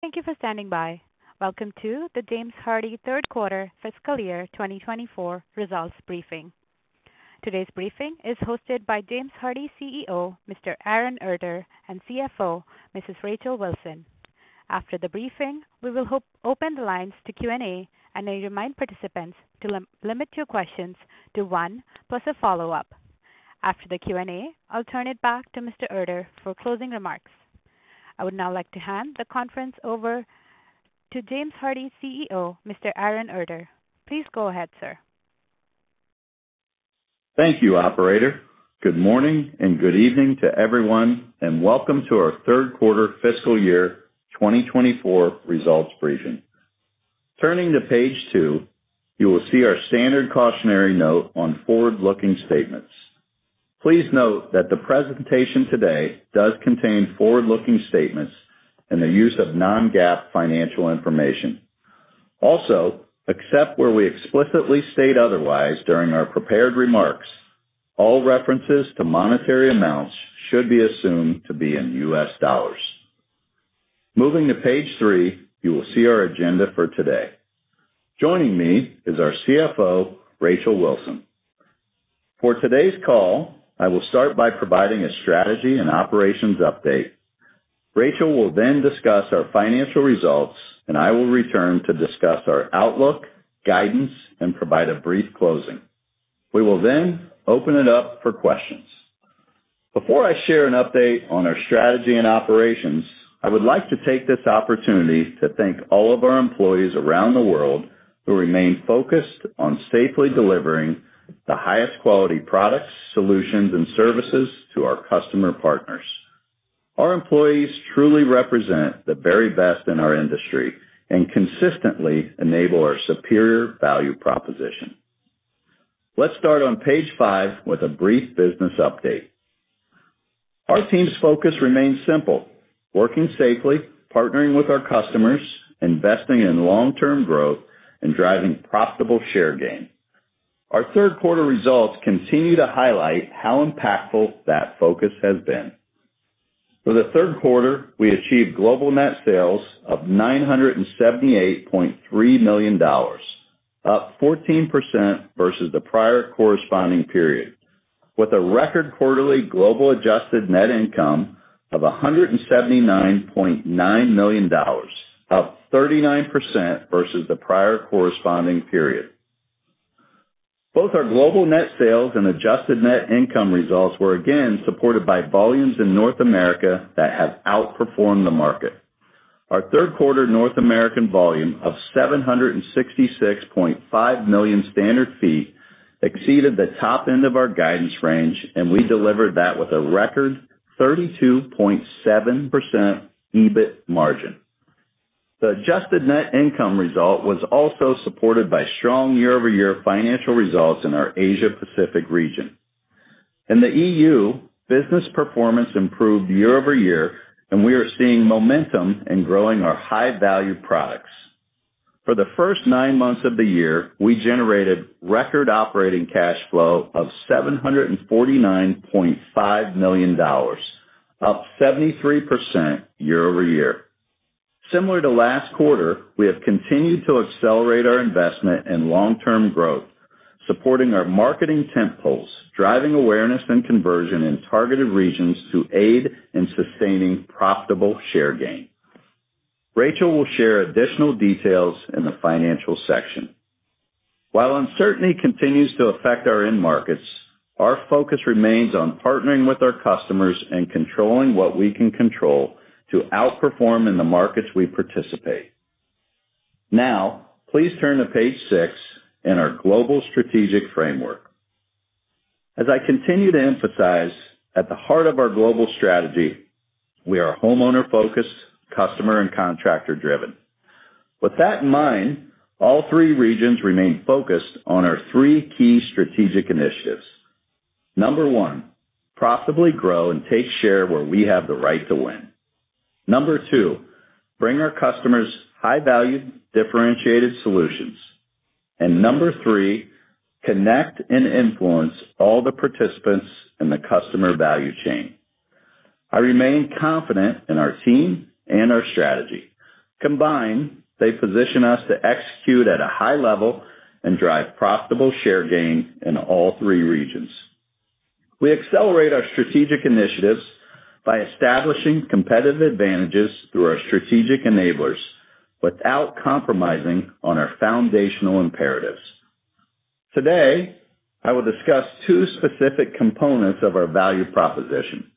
Thank you for standing by. Welcome to the James Hardie Q3 fiscal year 2024 results briefing. Today's briefing is hosted by James Hardie CEO, Mr. Aaron Erter, and CFO, Mrs. Rachel Wilson. After the briefing, we will open the lines to Q&A, and I remind participants to limit your questions to one plus a follow-up. After the Q&A, I'll turn it back to Mr. Erter for closing remarks. I would now like to hand the conference over to James Hardie CEO, Mr. Erter. Please go ahead, sir. Thank you, operator. Good morning, and good evening to everyone, and welcome to our Q3 fiscal year 2024 results briefing. Turning to page two, you will see our standard cautionary note on forward-looking statements. Please note that the presentation today does contain forward-looking statements and the use of non-GAAP financial information. Also, except where we explicitly state otherwise during our prepared remarks, all references to monetary amounts should be assumed to be in U.S. dollars. Moving to page three, you will see our agenda for today. Joining me is our CFO, Rachel Wilson. For today's call, I will start by providing a strategy and operations update. Rachel will then discuss our financial results, and I will return to discuss our outlook, guidance, and provide a brief closing. We will then open it up for questions. Before I share an update on our strategy and operations, I would like to take this opportunity to thank all of our employees around the world who remain focused on safely delivering the highest quality products, solutions, and services to our customer partners. Our employees truly represent the very best in our industry and consistently enable our superior value proposition. Let's start on page five with a brief business update. Our team's focus remains simple: working safely, partnering with our customers, investing in long-term growth, and driving profitable share gain. Our Q3 results continue to highlight how impactful that focus has been. For the Q3, we achieved global net sales of $978.3 million, up 14% versus the prior corresponding period, with a record quarterly global adjusted net income of $179.9 million, up 39% versus the prior corresponding period. Both our global net sales and adjusted net income results were again supported by volumes in North America that have outperformed the market. Our Q3 North American volume of 766.5 million square feet exceeded the top end of our guidance range, and we delivered that with a record 32.7% EBIT margin. The adjusted net income result was also supported by strong year-over-year financial results in our Asia Pacific region. In the EU, business performance improved year-over-year, and we are seeing momentum in growing our high-value products. For the first nine months of the year, we generated record operating cash flow of $749.5 million, up 73% year-over-year. Similar to last quarter, we have continued to accelerate our investment in long-term growth, supporting our Marketing 10-fold, driving awareness and conversion in targeted regions to aid in sustaining profitable share gain. Rachel will share additional details in the financial section. While uncertainty continues to affect our end markets, our focus remains on partnering with our customers and controlling what we can control to outperform in the markets we participate. Now, please turn to page six in our global strategic framework. As I continue to emphasize, at the heart of our global strategy, we are homeowner-focused, customer and contractor-driven. With that in mind, all three regions remain focused on our three key strategic initiatives. Number one, profitably grow and take share where we have the right to win. Number two, bring our customers high-value, differentiated solutions. And number three, connect and influence all the participants in the customer value chain. I remain confident in our team and our strategy. Combined, they position us to execute at a high level and drive profitable share gain in all three regions. We accelerate our strategic initiatives by establishing competitive advantages through our strategic enablers, without compromising on our foundational imperatives. Today, I will discuss two specific components of our value proposition: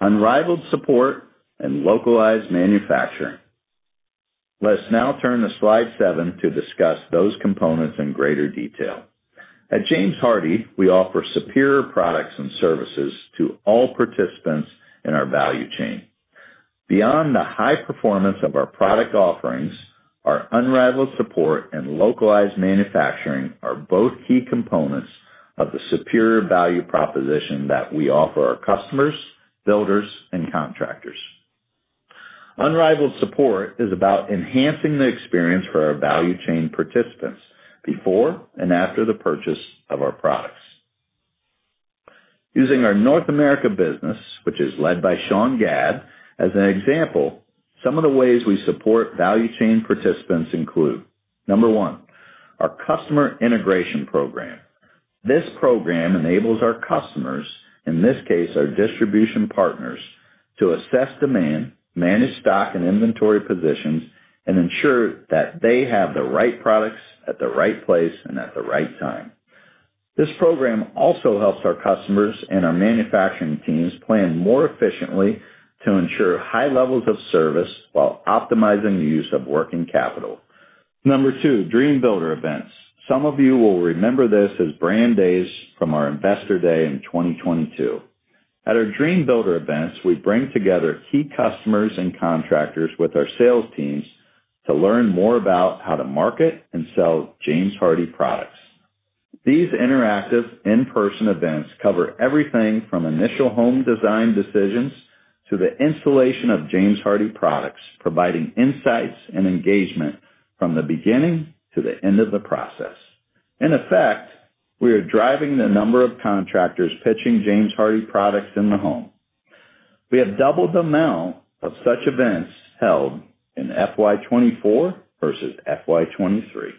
unrivaled support and localized manufacturing. Let's now turn to slide seven to discuss those components in greater detail. At James Hardie, we offer superior products and services to all participants in our value chain. Beyond the high performance of our product offerings, our unrivaled support and localized manufacturing are both key components of the superior value proposition that we offer our customers, builders, and contractors. Unrivaled support is about enhancing the experience for our value chain participants before and after the purchase of our products. Using our North America business, which is led by Sean Gadd, as an example, some of the ways we support value chain participants include: number one, our customer integration program. This program enables our customers, in this case, our distribution partners, to assess demand, manage stock and inventory positions, and ensure that they have the right products at the right place and at the right time. This program also helps our customers and our manufacturing teams plan more efficiently to ensure high levels of service while optimizing the use of working capital. Number two, Dream Builder events. Some of you will remember this as brand days from our Investor Day in 2022. At our Dream Builder events, we bring together key customers and contractors with our sales teams to learn more about how to market and sell James Hardie products. These interactive in-person events cover everything from initial home design decisions to the installation of James Hardie products, providing insights and engagement from the beginning to the end of the process. In effect, we are driving the number of contractors pitching James Hardie products in the home. We have doubled the amount of such events held in FY 2024 versus FY 2023.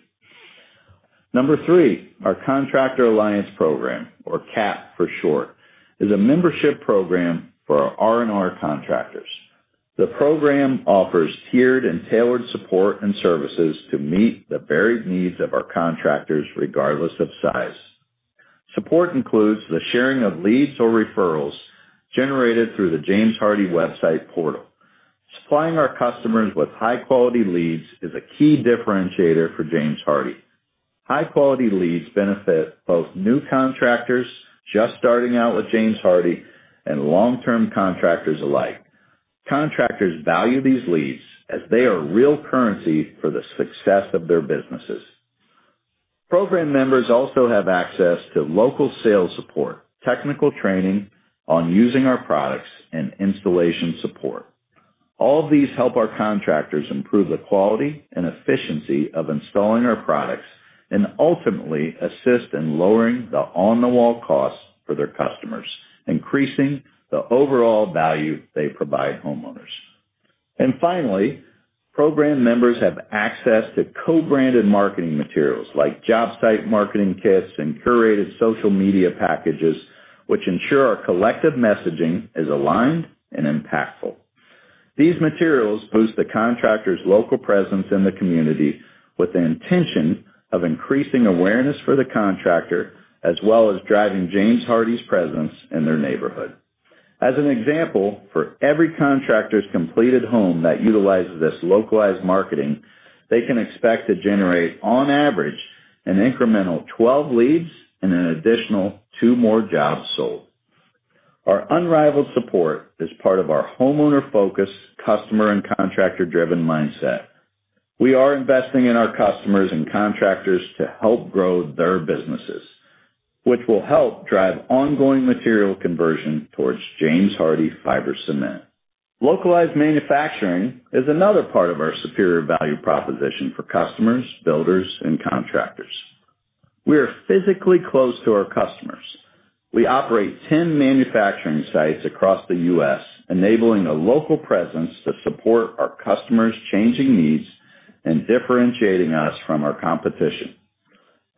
Number three, our Contractor Alliance Program, or CAP for short, is a membership program for our R&R contractors. The program offers tiered and tailored support and services to meet the varied needs of our contractors, regardless of size. Support includes the sharing of leads or referrals generated through the James Hardie website portal. Supplying our customers with high-quality leads is a key differentiator for James Hardie. High-quality leads benefit both new contractors just starting out with James Hardie and long-term contractors alike. Contractors value these leads as they are real currency for the success of their businesses. Program members also have access to local sales support, technical training on using our products, and installation support. All of these help our contractors improve the quality and efficiency of installing our products and ultimately assist in lowering the on-the-wall costs for their customers, increasing the overall value they provide homeowners. And finally, program members have access to co-branded marketing materials like job site marketing kits and curated social media packages, which ensure our collective messaging is aligned and impactful. These materials boost the contractor's local presence in the community with the intention of increasing awareness for the contractor, as well as driving James Hardie's presence in their neighborhood. As an example, for every contractor's completed home that utilizes this localized marketing, they can expect to generate, on average, an incremental 12 leads and an additional two more jobs sold. Our unrivaled support is part of our homeowner-focused, customer, and contractor-driven mindset. We are investing in our customers and contractors to help grow their businesses, which will help drive ongoing material conversion towards James Hardie Fiber Cement. Localized manufacturing is another part of our superior value proposition for customers, builders, and contractors. We are physically close to our customers. We operate 10 manufacturing sites across the U.S., enabling a local presence to support our customers' changing needs and differentiating us from our competition.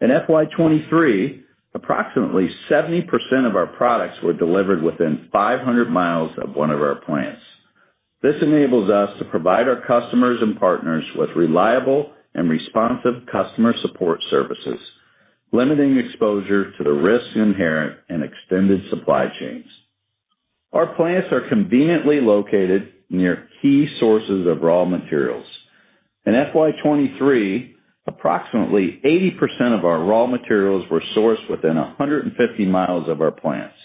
In FY 2023, approximately 70% of our products were delivered within 500 miles of one of our plants. This enables us to provide our customers and partners with reliable and responsive customer support services, limiting exposure to the risks inherent in extended supply chains. Our plants are conveniently located near key sources of raw materials. In FY 2023, approximately 80% of our raw materials were sourced within 150 miles of our plants.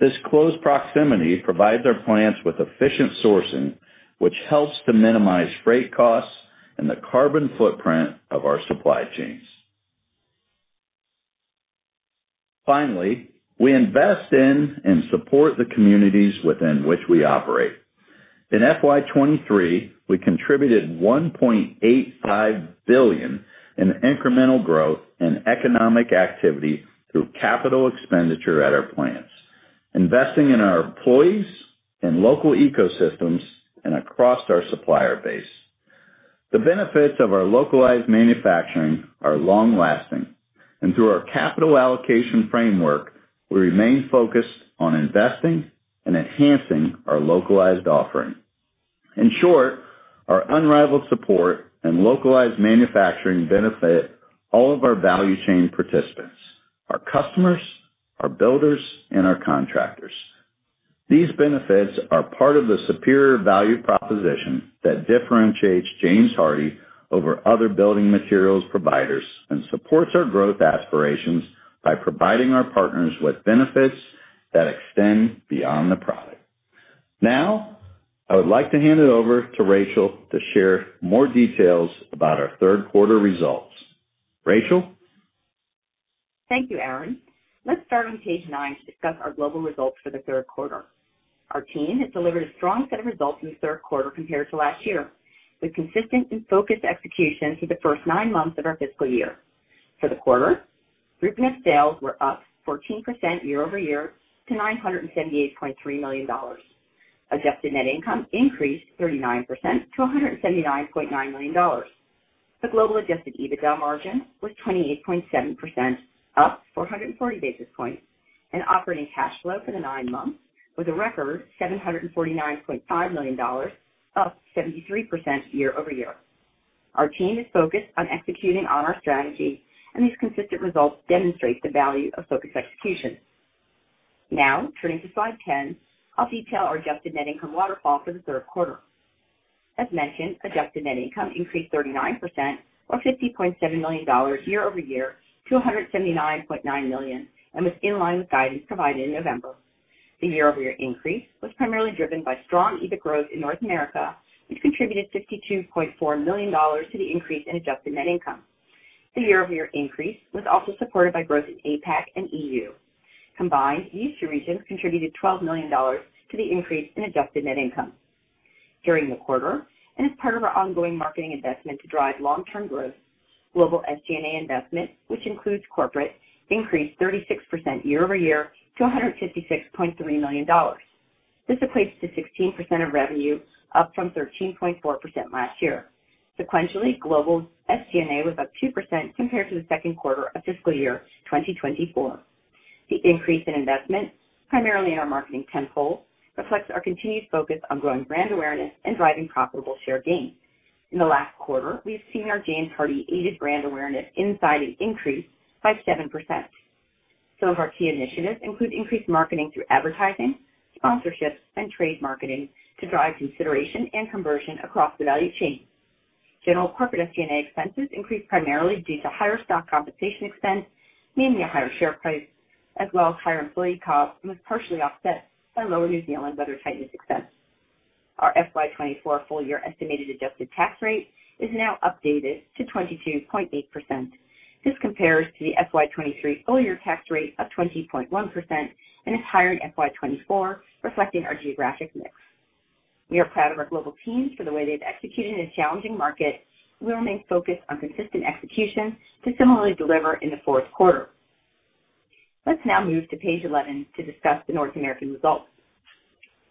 This close proximity provides our plants with efficient sourcing, which helps to minimize freight costs and the carbon footprint of our supply chains. Finally, we invest in and support the communities within which we operate. In FY 2023, we contributed $1.85 billion in incremental growth and economic activity through capital expenditure at our plants, investing in our employees and local ecosystems, and across our supplier base. The benefits of our localized manufacturing are long-lasting, and through our Capital Allocation Framework, we remain focused on investing and enhancing our localized offering. In short, our unrivaled support and localized manufacturing benefit all of our value chain participants, our customers, our builders, and our contractors. These benefits are part of the superior value proposition that differentiates James Hardie over other building materials providers and supports our growth aspirations by providing our partners with benefits that extend beyond the product. Now, I would like to hand it over to Rachel to share more details about our Q3 results. Rachel? Thank you, Aaron. Let's start on page nine to discuss our global results for the Q3. Our team has delivered a strong set of results in the Q3 compared to last year, with consistent and focused execution through the first 9 months of our fiscal year. For the quarter, group net sales were up 14% year-over-year to $978.3 million. Adjusted Net Income increased 39% to $179.9 million. The global Adjusted EBITDA Margin was 28.7%, up 440 basis points, and Operating Cash Flow for the nine months was a record $749.5 million, up 73% year-over-year. Our team is focused on executing on our strategy, and these consistent results demonstrate the value of focused execution. Now, turning to slide 10, I'll detail our adjusted net income waterfall for the Q3. As mentioned, adjusted net income increased 39%, or $50.7 million year-over-year, to $179.9 million, and was in line with guidance provided in November. The year-over-year increase was primarily driven by strong EBIT growth in North America, which contributed $62.4 million to the increase in adjusted net income. The year-over-year increase was also supported by growth in APAC and EU. Combined, these two regions contributed $12 million to the increase in adjusted net income. During the quarter, and as part of our ongoing marketing investment to drive long-term growth, global SG&A investment, which includes corporate, increased 36% year-over-year to $156.3 million. This equates to 16% of revenue, up from 13.4% last year. Sequentially, global SG&A was up 2% compared to the Q2 of fiscal year 2024. The increase in investment, primarily in our Marketing Tenfold, reflects our continued focus on growing brand awareness and driving profitable share gains. In the last quarter, we've seen our James Hardie aided brand awareness insight increase by 7%. Some of our key initiatives include increased marketing through advertising, sponsorships, and trade marketing to drive consideration and conversion across the value chain. General corporate SG&A expenses increased primarily due to higher stock compensation expense, mainly a higher share price, as well as higher employee costs, and was partially offset by lower New Zealand weathertightness expense. Our FY 2024 full year estimated adjusted tax rate is now updated to 22.8%. This compares to the FY 2023 full year tax rate of 20.1% and is higher in FY 2024, reflecting our geographic mix. We are proud of our global teams for the way they've executed in a challenging market. We remain focused on consistent execution to similarly deliver in the Q4. Let's now move to page 11 to discuss the North American results.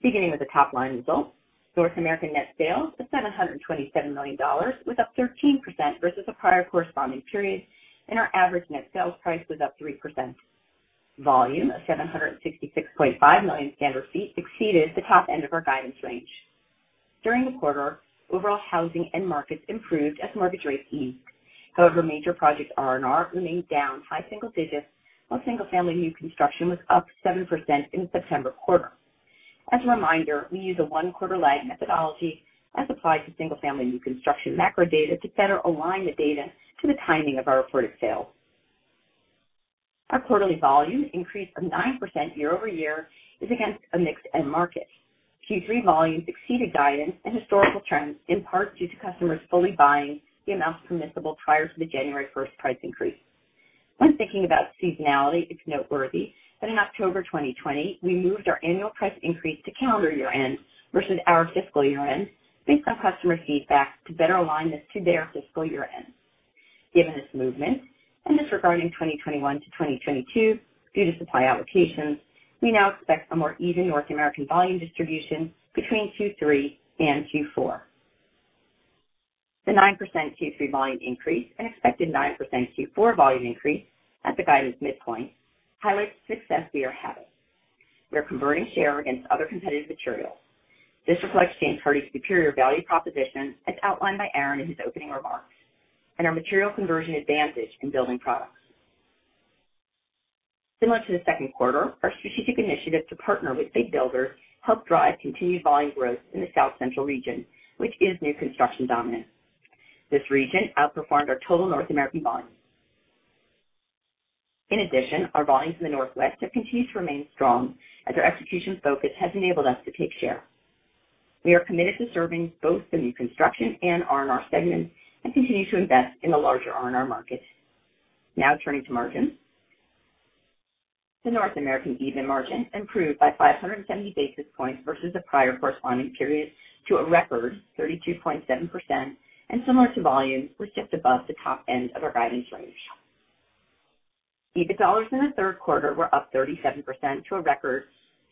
Beginning with the top-line results, North American net sales of $727 million was up 13% versus the prior corresponding period, and our average net sales price was up 3%. Volume of 766.5 million standard feet exceeded the top end of our guidance range. During the quarter, overall housing end markets improved as mortgage rates eased. However, major project R&R remained down high single digits, while single-family new construction was up 7% in the September quarter. As a reminder, we use a one-quarter lag methodology as applied to single-family new construction macro data to better align the data to the timing of our reported sales. Our quarterly volume increase of 9% year-over-year is against a mixed end market. Q3 volumes exceeded guidance and historical trends, in part due to customers fully buying the amounts permissible prior to the January 1 price increase. When thinking about seasonality, it's noteworthy that in October 2020, we moved our annual price increase to calendar year-end versus our fiscal year-end, based on customer feedback, to better align this to their fiscal year-end. Given this movement, and disregarding 2021 to 2022, due to supply allocations, we now expect a more even North American volume distribution between Q3 and Q4. The 9% Q3 volume increase and expected 9% Q4 volume increase at the guidance midpoint highlights the success we are having. We are converting share against other competitive materials. This reflects James Hardie's superior value proposition, as outlined by Aaron in his opening remarks, and our material conversion advantage in building products. Similar to the Q2, our strategic initiative to partner with big builders helped drive continued volume growth in the South Central region, which is new construction dominant. This region outperformed our total North American volume. In addition, our volumes in the Northwest have continued to remain strong, as our execution focus has enabled us to take share. We are committed to serving both the new construction and R&R segments and continue to invest in the larger R&R market. Now turning to margins. The North American EBITDA margin improved by 570 basis points versus the prior corresponding period to a record 32.7%, and similar to volume, was just above the top end of our guidance range. EBIT dollars in the Q3 were up 37% to a record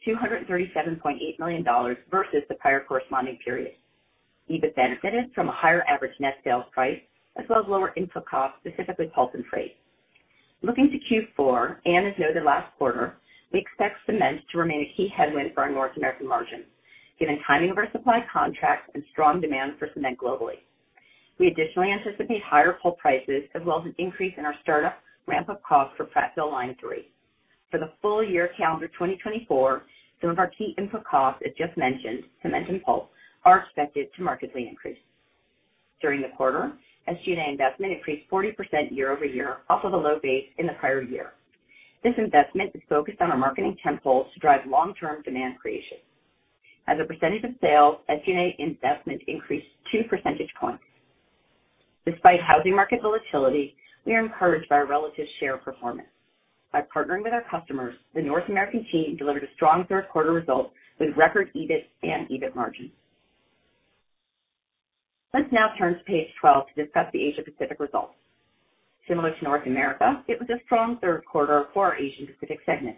$237.8 million versus the prior corresponding period. EBIT benefited from a higher average net sales price, as well as lower input costs, specifically pulp and trade. Looking to Q4, and as noted last quarter, we expect cement to remain a key headwind for our North American margins, given timing of our supply contracts and strong demand for cement globally. We additionally anticipate higher pulp prices as well as an increase in our startup ramp-up costs for Prattville Line 3. For the full year calendar 2024, some of our key input costs, as just mentioned, cement and pulp, are expected to markedly increase. During the quarter, SG&A investment increased 40% year-over-year, off of a low base in the prior year. This investment is focused on our Marketing Tenfold to drive long-term demand creation. As a percentage of sales, SG&A investment increased 2 percentage points. Despite housing market volatility, we are encouraged by our relative share performance. By partnering with our customers, the North American team delivered a strong Q3 result with record EBIT and EBIT margin. Let's now turn to page 12 to discuss the Asia Pacific results. Similar to North America, it was a strong Q3 for our Asia Pacific segment.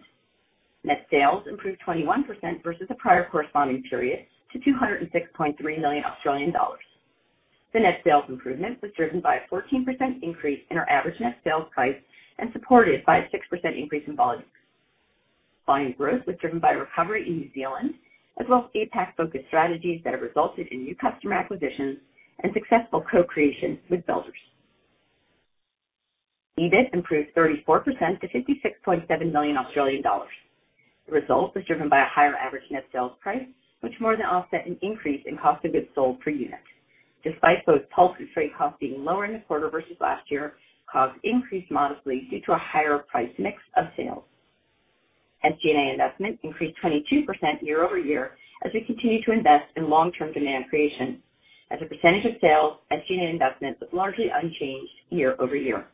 Net sales improved 21% versus the prior corresponding period to 206.3 million Australian dollars. The net sales improvement was driven by a 14% increase in our average net sales price and supported by a 6% increase in volume. Volume growth was driven by a recovery in New Zealand, as well as APAC-focused strategies that have resulted in new customer acquisitions and successful co-creation with builders. EBIT improved 34% to 56.7 million Australian dollars. The result was driven by a higher average net sales price, which more than offset an increase in cost of goods sold per unit. Despite both pulp and freight costs being lower in the quarter versus last year, costs increased modestly due to a higher price mix of sales. SG&A investment increased 22% year-over-year as we continue to invest in long-term demand creation. As a percentage of sales, SG&A investment was largely unchanged year-over-year.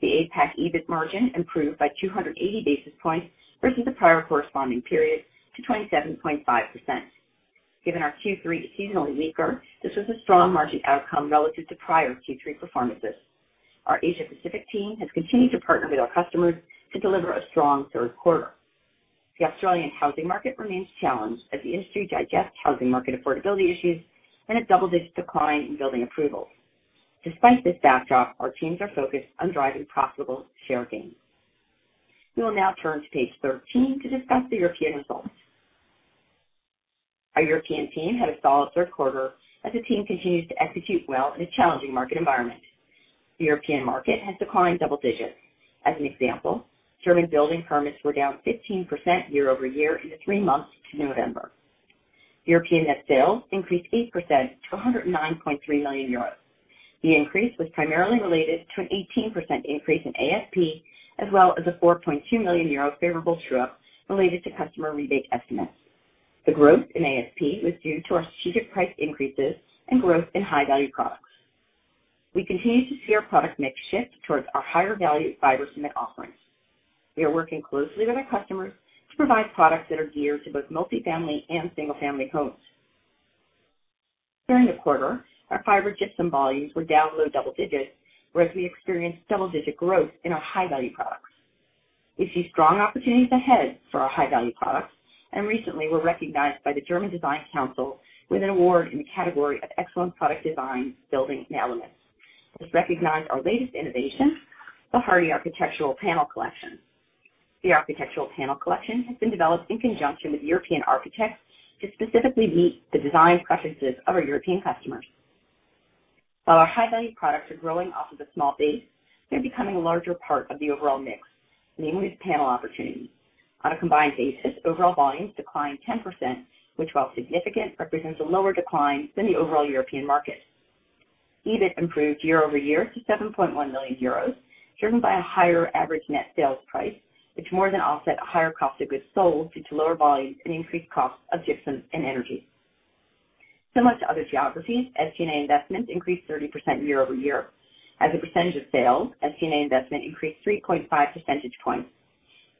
The APAC EBIT margin improved by 280 basis points versus the prior corresponding period to 27.5%. Given our Q3 is seasonally weaker, this was a strong margin outcome relative to prior Q3 performances. Our Asia Pacific team has continued to partner with our customers to deliver a strong Q3. The Australian housing market remains challenged as the industry digests housing market affordability issues and a double-digit decline in building approvals. Despite this backdrop, our teams are focused on driving profitable share gains. We will now turn to page 13 to discuss the European results. Our European team had a solid Q3 as the team continues to execute well in a challenging market environment. The European market has declined double digits. As an example, German building permits were down 15% year-over-year in the three months to November. European net sales increased 8% to 109.3 million euros. The increase was primarily related to an 18% increase in ASP, as well as a 4.2 million euro favorable true-up related to customer rebate estimates. The growth in ASP was due to our strategic price increases and growth in high-value products. We continue to see our product mix shift towards our higher-value fiber cement offerings. We are working closely with our customers to provide products that are geared to both multifamily and single-family homes. During the quarter, our fiber gypsum volumes were down low double digits, whereas we experienced double-digit growth in our high-value products. We see strong opportunities ahead for our high-value products, and recently were recognized by the German Design Council with an award in the category of Excellent Product Design, Building and Elements. This recognized our latest innovation, the Hardie Architectural Panel Collection. The Architectural Panel Collection has been developed in conjunction with European architects to specifically meet the design preferences of our European customers. While our high-value products are growing off of a small base, they're becoming a larger part of the overall mix, namely the panel opportunity. On a combined basis, overall volumes declined 10%, which, while significant, represents a lower decline than the overall European market. EBIT improved year-over-year to 7.1 million euros, driven by a higher average net sales price, which more than offset a higher cost of goods sold due to lower volumes and increased costs of gypsum and energy. Similar to other geographies, SG&A investments increased 30% year-over-year. As a percentage of sales, SG&A investment increased 3.5 percentage points.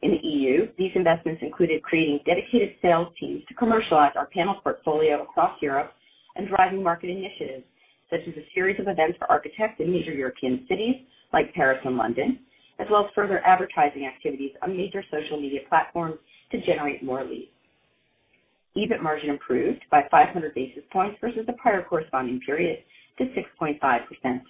In the EU, these investments included creating dedicated sales teams to commercialize our panels portfolio across Europe and driving market initiatives, such as a series of events for architects in major European cities like Paris and London, as well as further advertising activities on major social media platforms to generate more leads. EBIT margin improved by 500 basis points versus the prior corresponding period to 6.5%.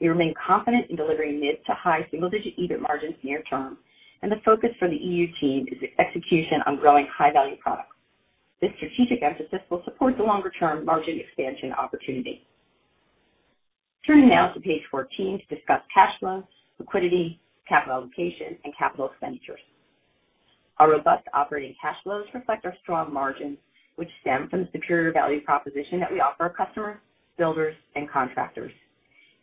We remain confident in delivering mid- to high single-digit EBIT margins near term, and the focus for the EU team is execution on growing high-value products. This strategic emphasis will support the longer-term margin expansion opportunity. Turning now to page 14 to discuss cash flows, liquidity, capital allocation, and capital expenditures. Our robust operating cash flows reflect our strong margins, which stem from the superior value proposition that we offer our customers, builders, and contractors.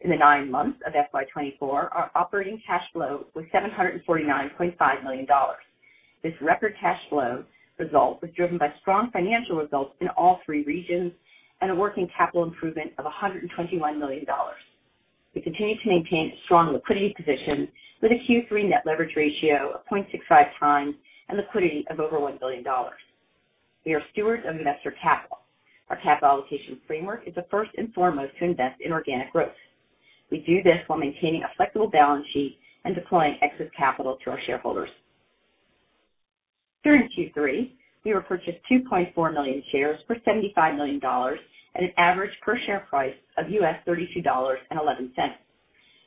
In the nine months of FY 2024, our operating cash flow was $749.5 million. This record cash flow result was driven by strong financial results in all three regions and a working capital improvement of $121 million. We continue to maintain a strong liquidity position with a Q3 net leverage ratio of 0.65 times and liquidity of over $1 billion. We are stewards of investor capital. Our capital allocation framework is to first and foremost to invest in organic growth. We do this while maintaining a flexible balance sheet and deploying excess capital to our shareholders. During Q3, we repurchased 2.4 million shares for $75 million at an average per share price of $32.11.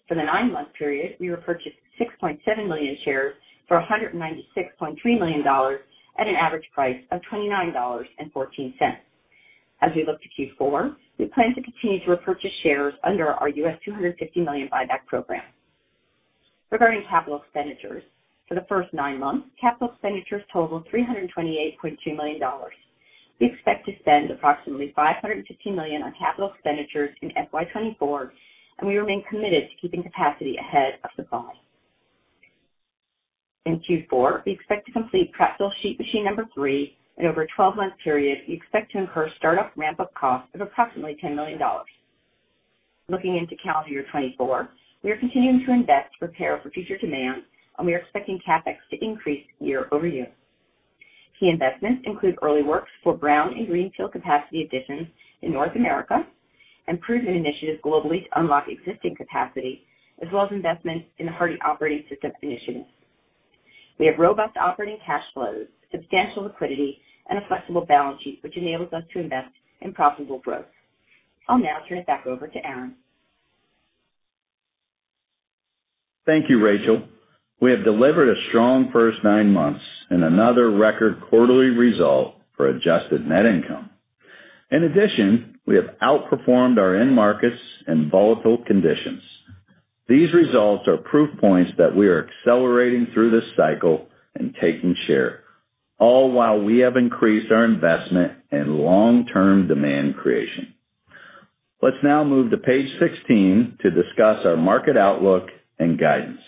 For the nine-month period, we repurchased 6.7 million shares for $196.3 million at an average price of $29.14. As we look to Q4, we plan to continue to repurchase shares under our $250 million buyback program. Regarding capital expenditures, for the first nine months, capital expenditures totaled $328.2 million. We expect to spend approximately $550 million on capital expenditures in FY 2024, and we remain committed to keeping capacity ahead of the volume.... In Q4, we expect to complete Prattville Sheet Machine 3, and over a 12-month period, we expect to incur startup ramp-up costs of approximately $10 million. Looking into calendar year 2024, we are continuing to invest to prepare for future demand, and we are expecting CapEx to increase year-over-year. Key investments include early works for brown and greenfield capacity additions in North America, and improvement initiatives globally to unlock existing capacity, as well as investments in the Hardie Operating System initiatives. We have robust operating cash flows, substantial liquidity, and a flexible balance sheet, which enables us to invest in profitable growth. I'll now turn it back over to Aaron. Thank you, Rachel. We have delivered a strong first nine months and another record quarterly result for Adjusted Net Income. In addition, we have outperformed our end markets in volatile conditions. These results are proof points that we are accelerating through this cycle and taking share, all while we have increased our investment in long-term demand creation. Let's now move to page 16 to discuss our market outlook and guidance.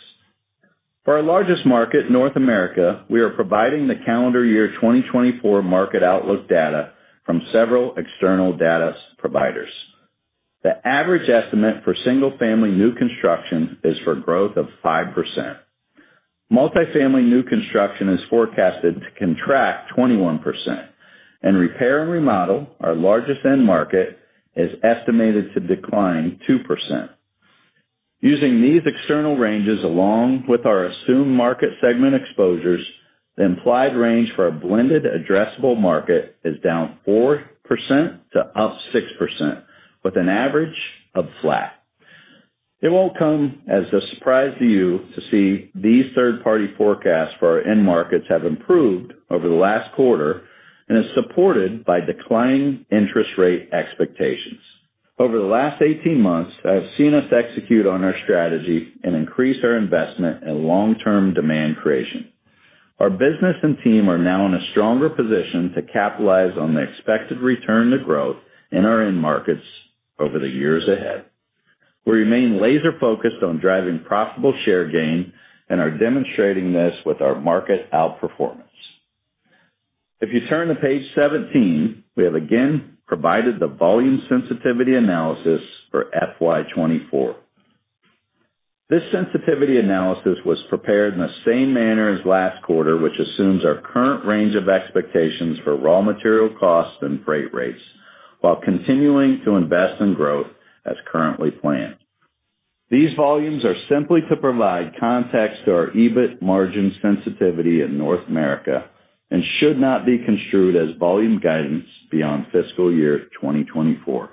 For our largest market, North America, we are providing the calendar year 2024 market outlook data from several external data providers. The average estimate for single-family new construction is for growth of 5%. Multifamily new construction is forecasted to contract 21%, and repair and remodel, our largest end market, is estimated to decline 2%. Using these external ranges, along with our assumed market segment exposures, the implied range for our blended addressable market is down 4% to up 6%, with an average of flat. It won't come as a surprise to you to see these third-party forecasts for our end markets have improved over the last quarter and is supported by declining interest rate expectations. Over the last 18 months, I have seen us execute on our strategy and increase our investment in long-term demand creation. Our business and team are now in a stronger position to capitalize on the expected return to growth in our end markets over the years ahead. We remain laser-focused on driving profitable share gain and are demonstrating this with our market outperformance. If you turn to page 17, we have again provided the volume sensitivity analysis for FY 2024. This sensitivity analysis was prepared in the same manner as last quarter, which assumes our current range of expectations for raw material costs and freight rates, while continuing to invest in growth as currently planned. These volumes are simply to provide context to our EBIT margin sensitivity in North America and should not be construed as volume guidance beyond fiscal year 2024.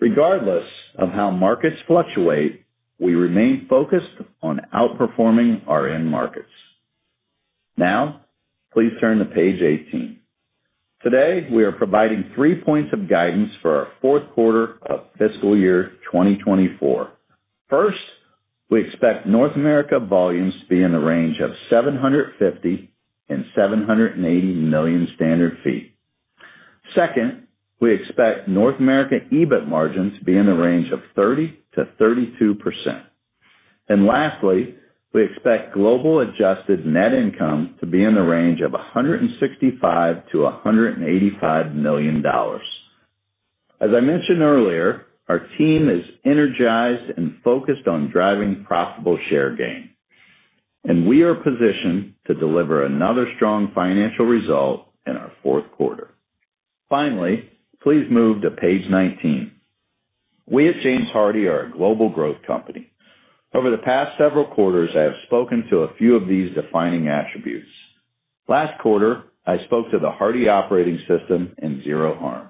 Regardless of how markets fluctuate, we remain focused on outperforming our end markets. Now, please turn to page 18. Today, we are providing three points of guidance for our Q4 of fiscal year 2024. First, we expect North America volumes to be in the range of 750 million to 780 million standard feet. Second, we expect North America EBIT margin to be in the range of 30% to 32%. And lastly, we expect global adjusted net income to be in the range of $165 million to $185 million. As I mentioned earlier, our team is energized and focused on driving profitable share gain, and we are positioned to deliver another strong financial result in our Q4. Finally, please move to page 19. We at James Hardie are a global growth company. Over the past several quarters, I have spoken to a few of these defining attributes. Last quarter, I spoke to the Hardie Operating System and Zero Harm.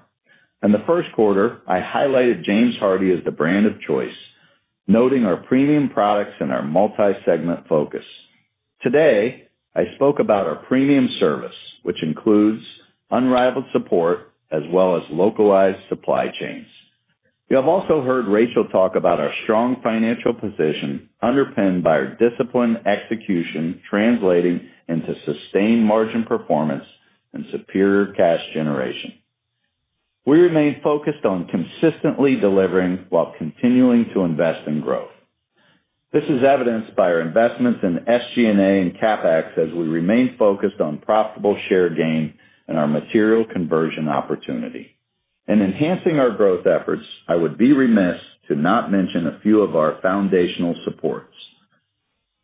In the Q1, I highlighted James Hardie as the brand of choice, noting our premium products and our multi-segment focus. Today, I spoke about our premium service, which includes unrivaled support as well as localized supply chains. You have also heard Rachel talk about our strong financial position, underpinned by our disciplined execution, translating into sustained margin performance and superior cash generation. We remain focused on consistently delivering while continuing to invest in growth. This is evidenced by our investments in SG&A and CapEx, as we remain focused on profitable share gain and our material conversion opportunity. In enhancing our growth efforts, I would be remiss to not mention a few of our foundational supports.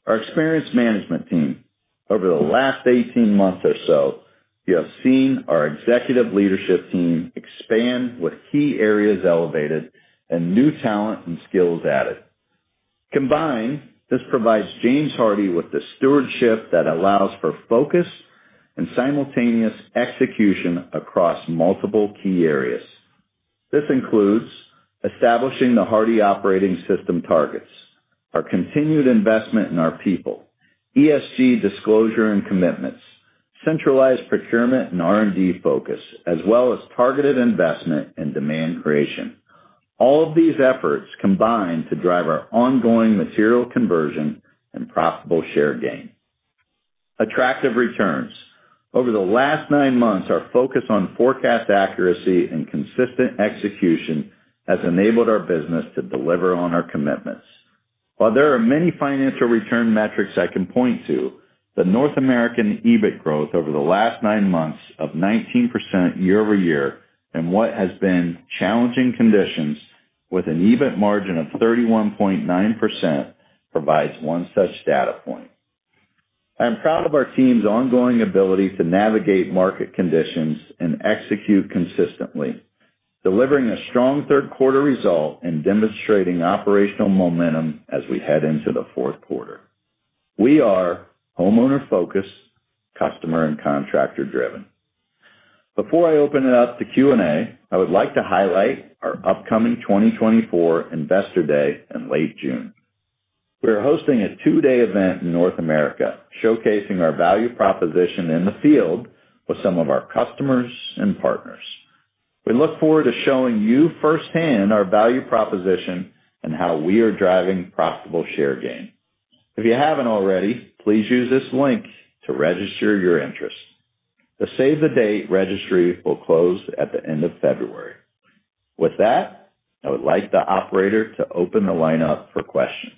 Our experienced management team. Over the last 18 months or so, you have seen our executive leadership team expand with key areas elevated and new talent and skills added. Combined, this provides James Hardie with the stewardship that allows for focus and simultaneous execution across multiple key areas. This includes establishing the Hardie Operating System targets, our continued investment in our people, ESG disclosure and commitments, centralized procurement and R&D focus, as well as targeted investment in demand creation. All of these efforts combine to drive our ongoing material conversion and profitable share gain attractive returns. Over the last nine months, our focus on forecast accuracy and consistent execution has enabled our business to deliver on our commitments. While there are many financial return metrics I can point to, the North American EBIT growth over the last nine months of 19% year-over-year, and what has been challenging conditions with an EBIT margin of 31.9%, provides one such data point. I'm proud of our team's ongoing ability to navigate market conditions and execute consistently, delivering a strong Q3 result and demonstrating operational momentum as we head into the Q4. We are homeowner-focused, customer, and contractor-driven. Before I open it up to Q&A, I would like to highlight our upcoming 2024 Investor Day in late June. We are hosting a two-day event in North America, showcasing our value proposition in the field with some of our customers and partners. We look forward to showing you firsthand our value proposition and how we are driving profitable share gain. If you haven't already, please use this link to register your interest. The Save the Date registry will close at the end of February. With that, I would like the operator to open the line up for questions.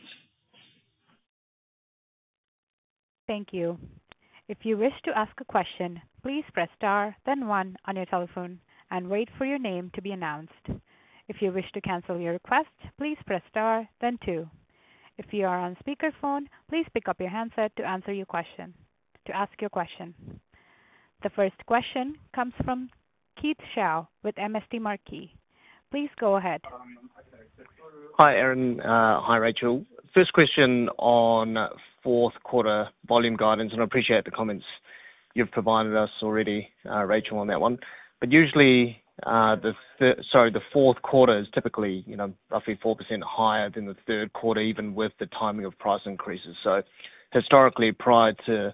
Thank you. If you wish to ask a question, please press star, then one on your telephone and wait for your name to be announced. If you wish to cancel your request, please press star, then two. If you are on speakerphone, please pick up your handset to answer your question, to ask your question. The first question comes from Keith Chau with MST Marquee. Please go ahead. Hi, Aaron. Hi, Rachel. First question on Q4 volume guidance, and I appreciate the comments you've provided us already, Rachel, on that one. But usually, the Q4 is typically, you know, roughly 4% higher than the Q3, even with the timing of price increases. So historically, prior to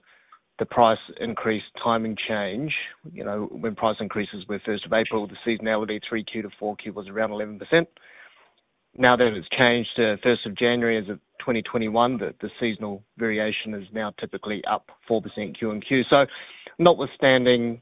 the price increase, timing change, you know, when price increases were first of April, the seasonality Q3 to Q4 was around 11%. Now, that it's changed to first of January as of 2021, the seasonal variation is now typically up 4% Q&Q. Notwithstanding,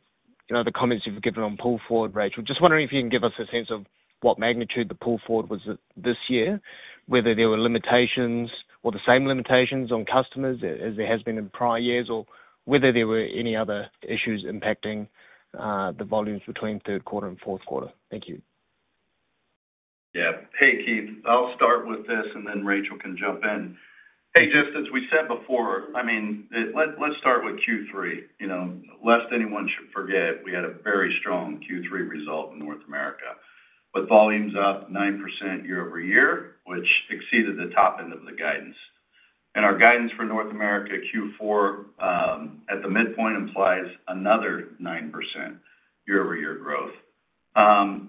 you know, the comments you've given on pull forward, Rachel, just wondering if you can give us a sense of what magnitude the pull forward was this year, whether there were limitations or the same limitations on customers as there has been in prior years, or whether there were any other issues impacting the volumes between Q3 and Q4? Thank you. Yeah. Hey, Keith, I'll start with this, and then Rachel can jump in. Hey, just as we said before, I mean, let's start with Q3. You know, lest anyone should forget, we had a very strong Q3 result in North America, with volumes up 9% year-over-year, which exceeded the top end of the guidance. And our guidance for North America Q4, at the midpoint, implies another 9% year-over-year growth.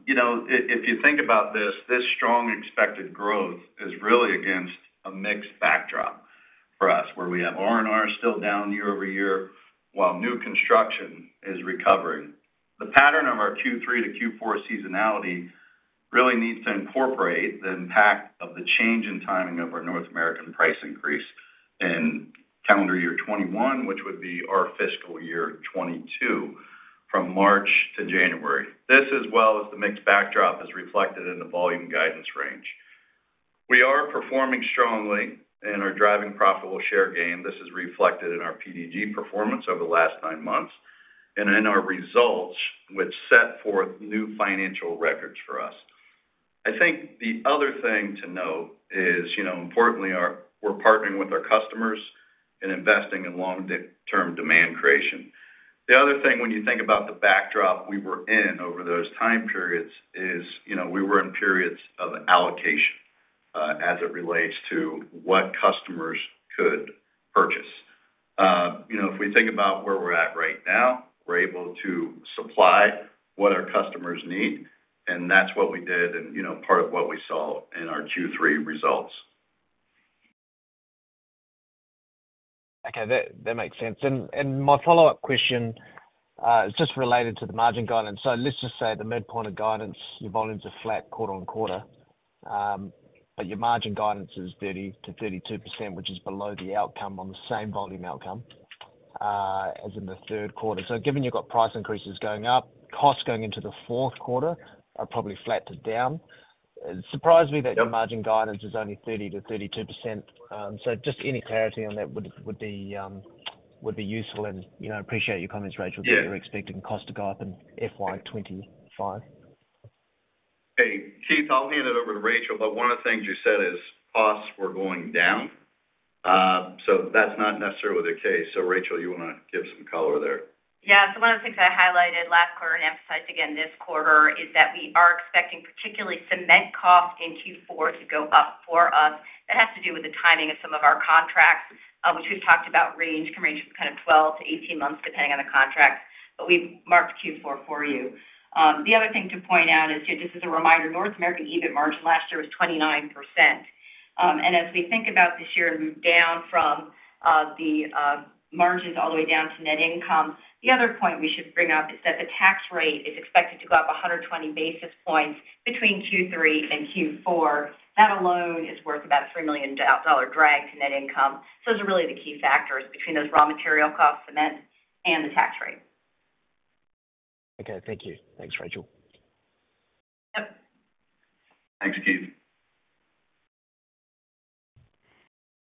You know, if you think about this, this strong expected growth is really against a mixed backdrop for us, where we have R&R still down year-over-year, while new construction is recovering. The pattern of our Q3 to Q4 seasonality really needs to incorporate the impact of the change in timing of our North American price increase in calendar year 2021, which would be our fiscal year 2022, from March to January. This, as well as the mixed backdrop, is reflected in the volume guidance range. We are performing strongly and are driving profitable share gain. This is reflected in our PDG performance over the last nine months and in our results, which set forth new financial records for us. I think the other thing to note is, you know, importantly, we're partnering with our customers and investing in long-term demand creation. The other thing, when you think about the backdrop we were in over those time periods is, you know, we were in periods of allocation, as it relates to what customers could purchase. you know, if we think about where we're at right now, we're able to supply what our customers need, and that's what we did and, you know, part of what we saw in our Q3 results. Okay, that makes sense. And my follow-up question is just related to the margin guidance. So let's just say the midpoint of guidance, your volumes are flat quarter-on-quarter, but your margin guidance is 30% to 32%, which is below the outcome on the same volume outcome as in the Q3. So given you've got price increases going up, costs going into the Q4 are probably flat to down, it surprised me that Yep your margin guidance is only 30% to 32%. So just any clarity on that would be useful. And, you know, I appreciate your comments, Rachel Yeah that you're expecting cost to go up in FY 2025. Hey, Keith, I'll hand it over to Rachel, but one of the things you said is costs were going down. So that's not necessarily the case. So, Rachel, you want to give some color there? Yeah. So one of the things I highlighted last quarter and emphasize again this quarter, is that we are expecting, particularly cement costs in Q4, to go up for us. That has to do with the timing of some of our contracts, which we've talked about range from kind of 12 to 18 months, depending on the contract, but we've marked Q4 for you. The other thing to point out is, just as a reminder, North American EBIT margin last year was 29%. And as we think about this year and move down from the margins all the way down to net income, the other point we should bring up is that the tax rate is expected to go up 120 basis points between Q3 and Q4. That alone is worth about $3 million dollar drag to net income. So those are really the key factors between those raw material costs, cement and the tax rate. Okay, thank you. Thanks, Rachel. Yep. Thanks, Keith.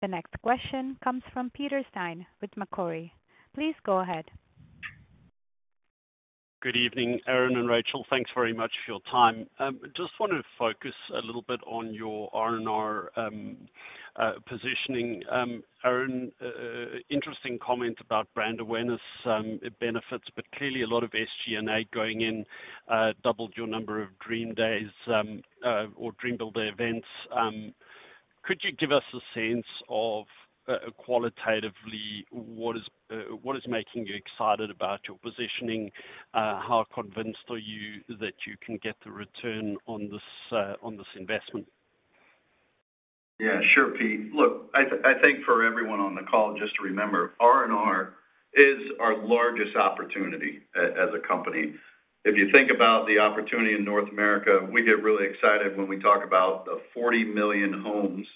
The next question comes from Peter Steyn with Macquarie. Please go ahead. Good evening, Aaron and Rachel. Thanks very much for your time. Just want to focus a little bit on your R&R positioning. Aaron, interesting comment about brand awareness, it benefits, but clearly a lot of SG&A going in, doubled your number of Dream Builder events. Could you give us a sense of, qualitatively, what is, what is making you excited about your positioning? How convinced are you that you can get the return on this, on this investment? Yeah, sure, Pete. Look, I think for everyone on the call, just to remember, R&R is our largest opportunity as a company. If you think about the opportunity in North America, we get really excited when we talk about the 40 million homes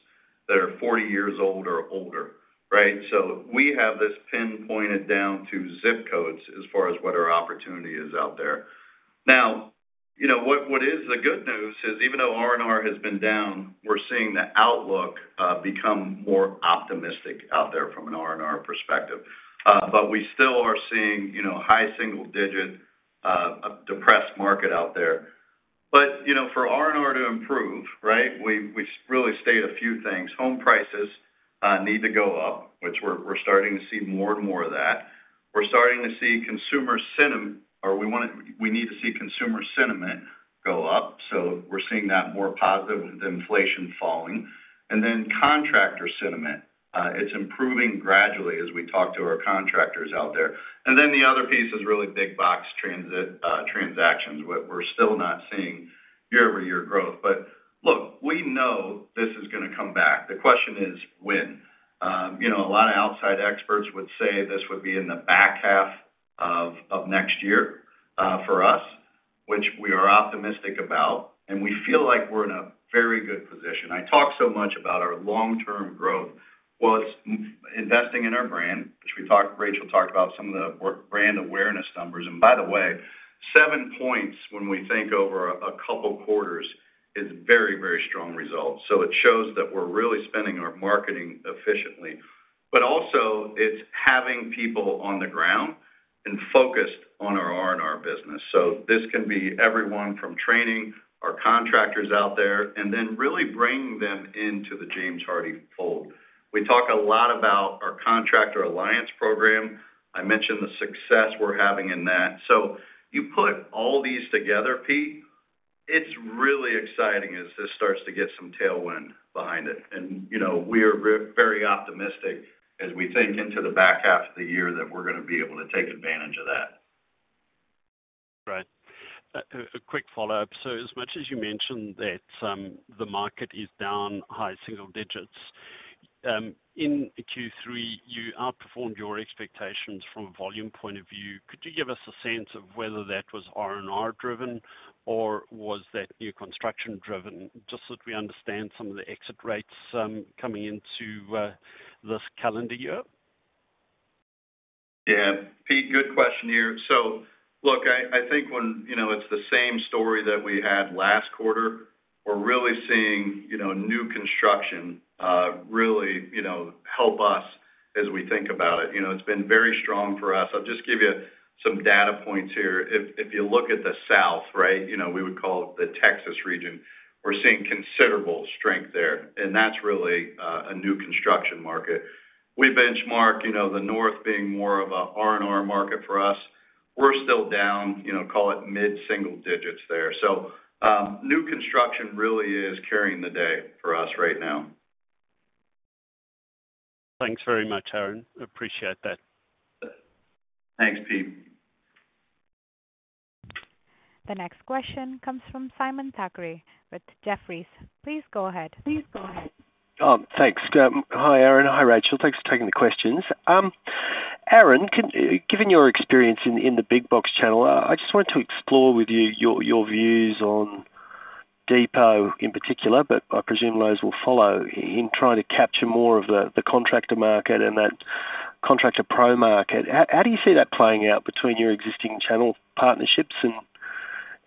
that are 40 years old or older, right? So we have this pinpointed down to zip codes as far as what our opportunity is out there. Now, you know, what is the good news is, even though R&R has been down, we're seeing the outlook become more optimistic out there from an R&R perspective. But we still are seeing, you know, high single digit depressed market out there. But, you know, for R&R to improve, right, we really state a few things. Home prices need to go up, which we're starting to see more and more of that. We're starting to see consumer sentiment, or we want to, we need to see consumer sentiment go up. So we're seeing that more positive with inflation falling. And then contractor sentiment, it's improving gradually as we talk to our contractors out there. And then the other piece is really big box retail transactions, where we're still not seeing year-over-year growth. But look, we know this is going to come back. The question is, when? You know, a lot of outside experts would say this would be in the back half of next year, for us, which we are optimistic about, and we feel like we're in a very good position. I talk so much about our long-term growth. Well, it's investing in our brand, which we talked, Rachel talked about some of the work brand awareness numbers. And by the way, seven points, when we think over a couple of quarters, is very, very strong results. So it shows that we're really spending our marketing efficiently, but also it's having people on the ground and focused on our R&R business. So this can be everyone from training our contractors out there and then really bringing them into the James Hardie fold. We talk a lot about our Contractor Alliance Program. I mentioned the success we're having in that. So you put all these together, Pete, it's really exciting as this starts to get some tailwind behind it. And, you know, we are very optimistic as we think into the back half of the year, that we're going to be able to take advantage of that. Right. A quick follow-up. So as much as you mentioned that, the market is down high single digits, in Q3, you outperformed your expectations from a volume point of view. Could you give us a sense of whether that was R&R driven or was that new construction driven? Just so that we understand some of the exit rates, coming into, this calendar year. Yeah. Pete, good question here. So look, I think when, you know, it's the same story that we had last quarter, we're really seeing, you know, new construction really, you know, help us as we think about it. You know, it's been very strong for us. I'll just give you some data points here. If you look at the South, right, you know, we would call it the Texas region, we're seeing considerable strength there, and that's really a new construction market. We benchmark, you know, the North being more of a R&R market for us. We're still down, you know, call it mid-single digits there. So, new construction really is carrying the day for us right now. Thanks very much, Aaron. Appreciate that. Thanks, Pete. The next question comes from Simon Thackray with Jefferies. Please go ahead. Please go ahead. Thanks. Hi, Aaron. Hi, Rachel. Thanks for taking the questions. Aaron, given your experience in the big box channel, I just wanted to explore with you your views on Depot in particular, but I presume Lowe's will follow in trying to capture more of the contractor market and that contractor pro market. How do you see that playing out between your existing channel partnerships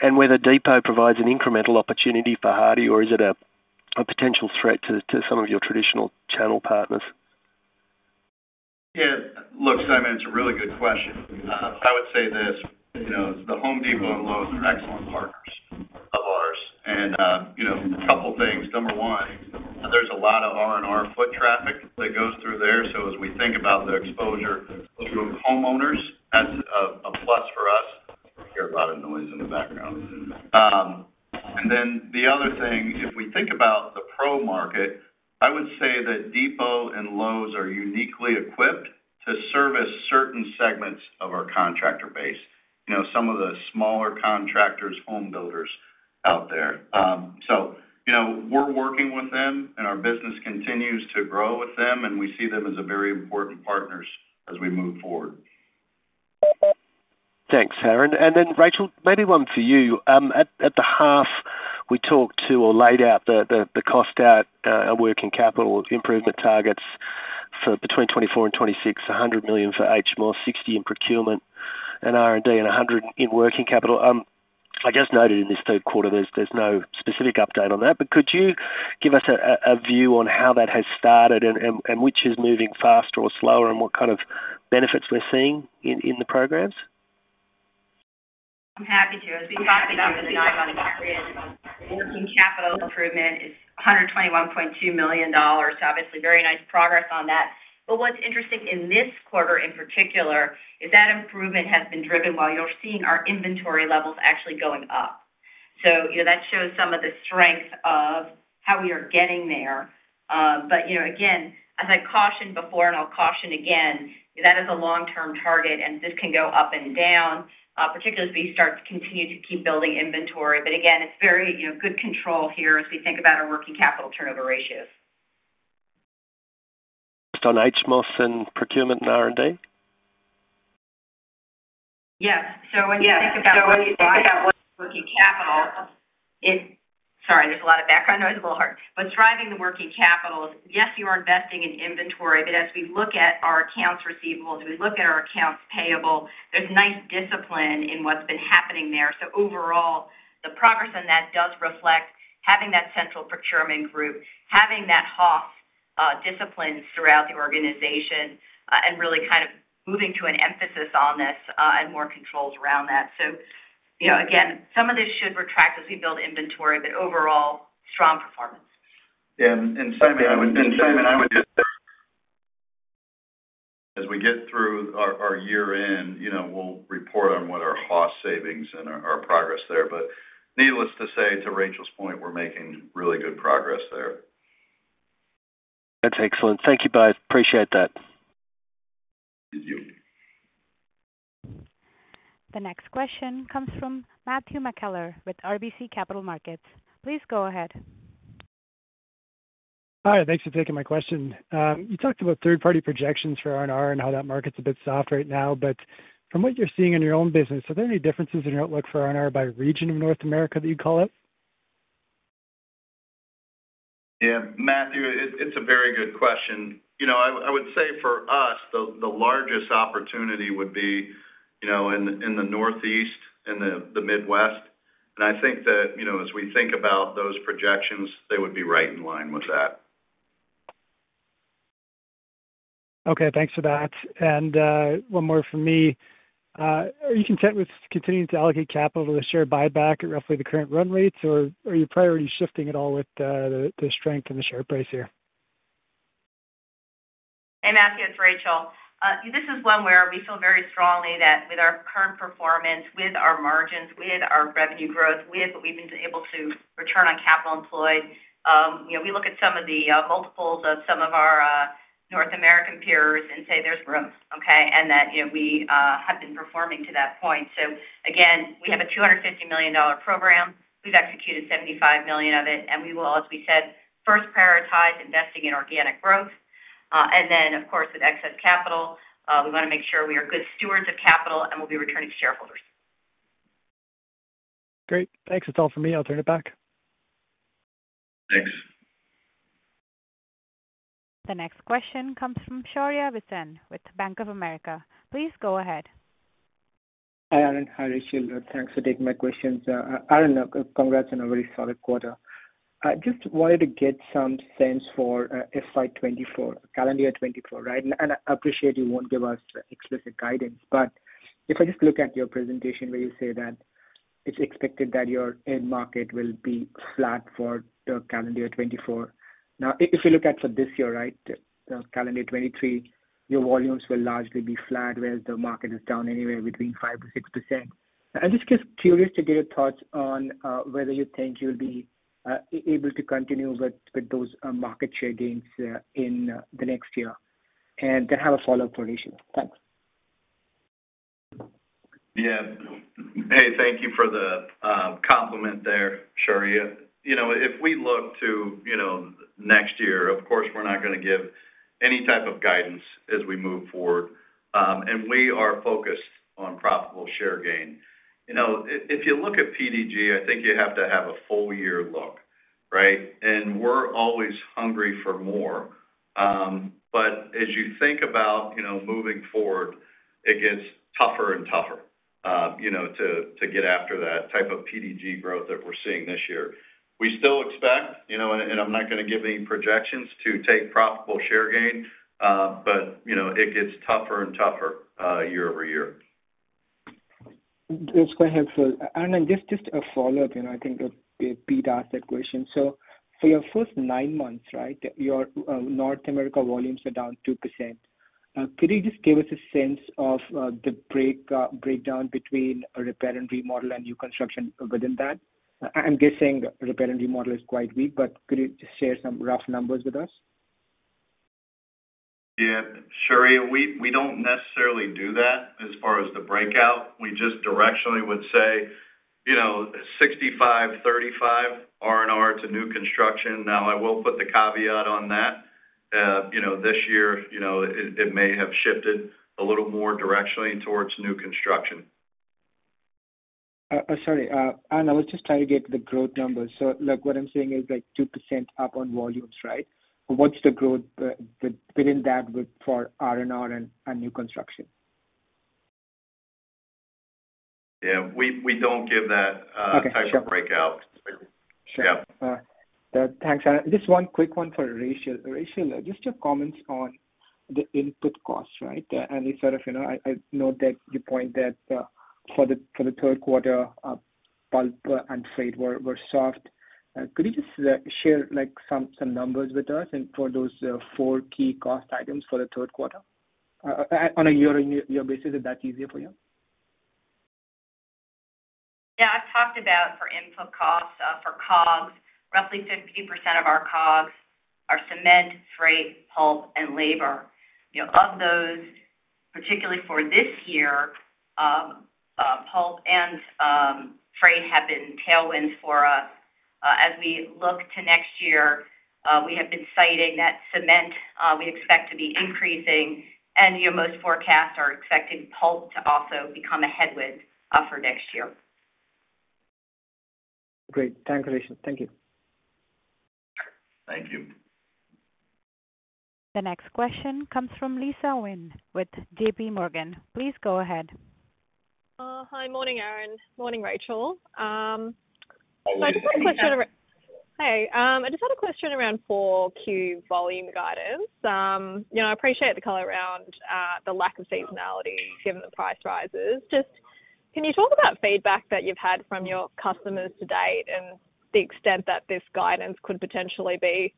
and whether Depot provides an incremental opportunity for Hardie, or is it a potential threat to some of your traditional channel partners? Yeah. Look, Simon, it's a really good question. I would say this, you know, the Home Depot and Lowe's are excellent partners of ours. And, you know, a couple of things. Number one, there's a lot of R&R foot traffic that goes through there. So as we think about the exposure to homeowners, that's a plus for us. I hear a lot of noise in the background. And then the other thing, if we think about the pro market, I would say that Depot and Lowe's are uniquely equipped to service certain segments of our contractor base. You know, some of the smaller contractors, home builders out there. So you know, we're working with them, and our business continues to grow with them, and we see them as a very important partners as we move forward. Thanks, Aaron. And then, Rachel, maybe one for you. At the half, we talked to or laid out the cost out, our working capital improvement targets. So between 2024 and 2026, $100 million for HMOS, $60 million in procurement and R&D, and $100 million in working capital. I just noted in this Q3, there's no specific update on that, but could you give us a view on how that has started and which is moving faster or slower, and what kind of benefits we're seeing in the programs? I'm happy to. As we talked about this nine-month mark, working capital improvement is $121.2 million. So obviously, very nice progress on that. But what's interesting in this quarter, in particular, is that improvement has been driven while you're seeing our inventory levels actually going up. So, you know, that shows some of the strength of how we are getting there. But, you know, again, as I cautioned before, and I'll caution again, that is a long-term target, and this can go up and down, particularly as we start to continue to keep building inventory. But again, it's very, you know, good control here as we think about our working capital turnover ratios. Just on HMOS and procurement and R&D? Yes. So when you think about working capital, it, sorry, there's a lot of background noise, a little hard. What's driving the working capital is, yes, you are investing in inventory, but as we look at our accounts receivables, as we look at our accounts payable, there's nice discipline in what's been happening there. So overall, the progress on that does reflect having that central procurement group, having that HMOS, discipline throughout the organization, and really kind of moving to an emphasis on this, and more controls around that. So, you know, again, some of this should retract as we build inventory, but overall, strong performance. Yeah, and Simon, I would just say, as we get through our year-end, you know, we'll report on what our HMOS savings and our progress there. But needless to say, to Rachel's point, we're making really good progress there. That's excellent. Thank you, both. Appreciate that. Thank you. The next question comes from Matthew McKellar with RBC Capital Markets. Please go ahead. Hi, thanks for taking my question. You talked about third-party projections for R&R and how that market's a bit soft right now. But from what you're seeing in your own business, are there any differences in your outlook for R&R by region of North America that you'd call out? Yeah, Matthew, it's a very good question. You know, I would say for us, the largest opportunity would be, you know, in the Northeast and the Midwest. And I think that, you know, as we think about those projections, they would be right in line with that. Okay, thanks for that. And, one more from me. Are you content with continuing to allocate capital to the share buyback at roughly the current run rates, or are you priority shifting at all with the strength in the share price here? Hey, Matthew, it's Rachel. This is one where we feel very strongly that with our current performance, with our margins, with our revenue growth, with what we've been able to return on Capital Employed, you know, we look at some of the multiples of some of our North American peers and say there's room, okay? And that, you know, we have been performing to that point. So again, we have a $250 million program. We've executed $75 million of it, and we will, as we said, first prioritize investing in organic growth, and then, of course, with excess capital, we want to make sure we are good stewards of capital, and we'll be returning to shareholders. Great. Thanks. That's all for me. I'll turn it back. Thanks. The next question comes from Shaurya Visen with Bank of America. Please go ahead. Hi, Aaron. Hi, Rachel. Thanks for taking my questions. Aaron, congrats on a very solid quarter. I just wanted to get some sense for FY 2024, calendar year 2024, right? And I appreciate you won't give us explicit guidance, but if I just look at your presentation where you say that it's expected that your end market will be flat for the calendar year 2024. Now, if you look at for this year, right, the calendar 2023, your volumes will largely be flat, whereas the market is down anywhere between 5% to 6%. I'm just curious to get your thoughts on whether you think you'll be able to continue with those market share gains in the next year. And I have a follow-up for Rachel. Thanks. Yeah. Hey, thank you for the compliment there, Shaurya. You know, if we look to, you know, next year, of course, we're not gonna give any type of guidance as we move forward. And we are focused on profitable share gain. You know, if, if you look at PDG, I think you have to have a full year look, right? And we're always hungry for more. But as you think about, you know, moving forward, it gets tougher and tougher, you know, to, to get after that type of PDG growth that we're seeing this year. We still expect, you know, and, and I'm not gonna give any projections to take profitable share gain, but, you know, it gets tougher and tougher, year-over-year. That's quite helpful. Aaron, and just, just a follow-up, and I think, Pete asked that question: So for your first nine months, right, your, North America volumes are down 2%. Could you just give us a sense of, the break, breakdown between a repair and remodel and new construction within that? I'm guessing repair and remodel is quite weak, but could you just share some rough numbers with us? Yeah. Shaurya, we don't necessarily do that as far as the breakout. We just directionally would say, you know, 65, 35 R&R to new construction. Now, I will put the caveat on that. You know, this year, you know, it may have shifted a little more directionally towards new construction. Sorry, Aaron, I was just trying to get the growth numbers. So look, what I'm saying is like 2% up on volumes, right? What's the growth within that with, for R&R and new construction? Yeah, we don't give that. Okay, sure. Type of breakout. Sure. Yeah. Thanks, Aaron. Just one quick one for Rachel. Rachel, just your comments on the input costs, right? And you sort of, you know, I note that you point that for the Q3, pulp and freight were soft. Could you just share, like, some numbers with us for those four key cost items for the Q3? On a year-on-year basis, if that's easier for you. Yeah, I've talked about for input costs for COGS. Roughly 50% of our COGS are cement, freight, pulp, and labor. You know, of those, particularly for this year, pulp and freight have been tailwinds for us. As we look to next year, we have been citing that cement we expect to be increasing, and, you know, most forecasts are expecting pulp to also become a headwind for next year. Great. Thanks, Rachel. Thank you. Thank you. The next question comes from Lisa Huynh with JPMorgan. Please go ahead. Hi. Morning, Aaron. Morning, Rachel. So I just had a question around- Hey, Lisa. Hey, I just had a question around 4Q volume guidance. You know, I appreciate the color around the lack of seasonality given the price rises. Just, can you talk about feedback that you've had from your customers to date and the extent that this guidance could potentially be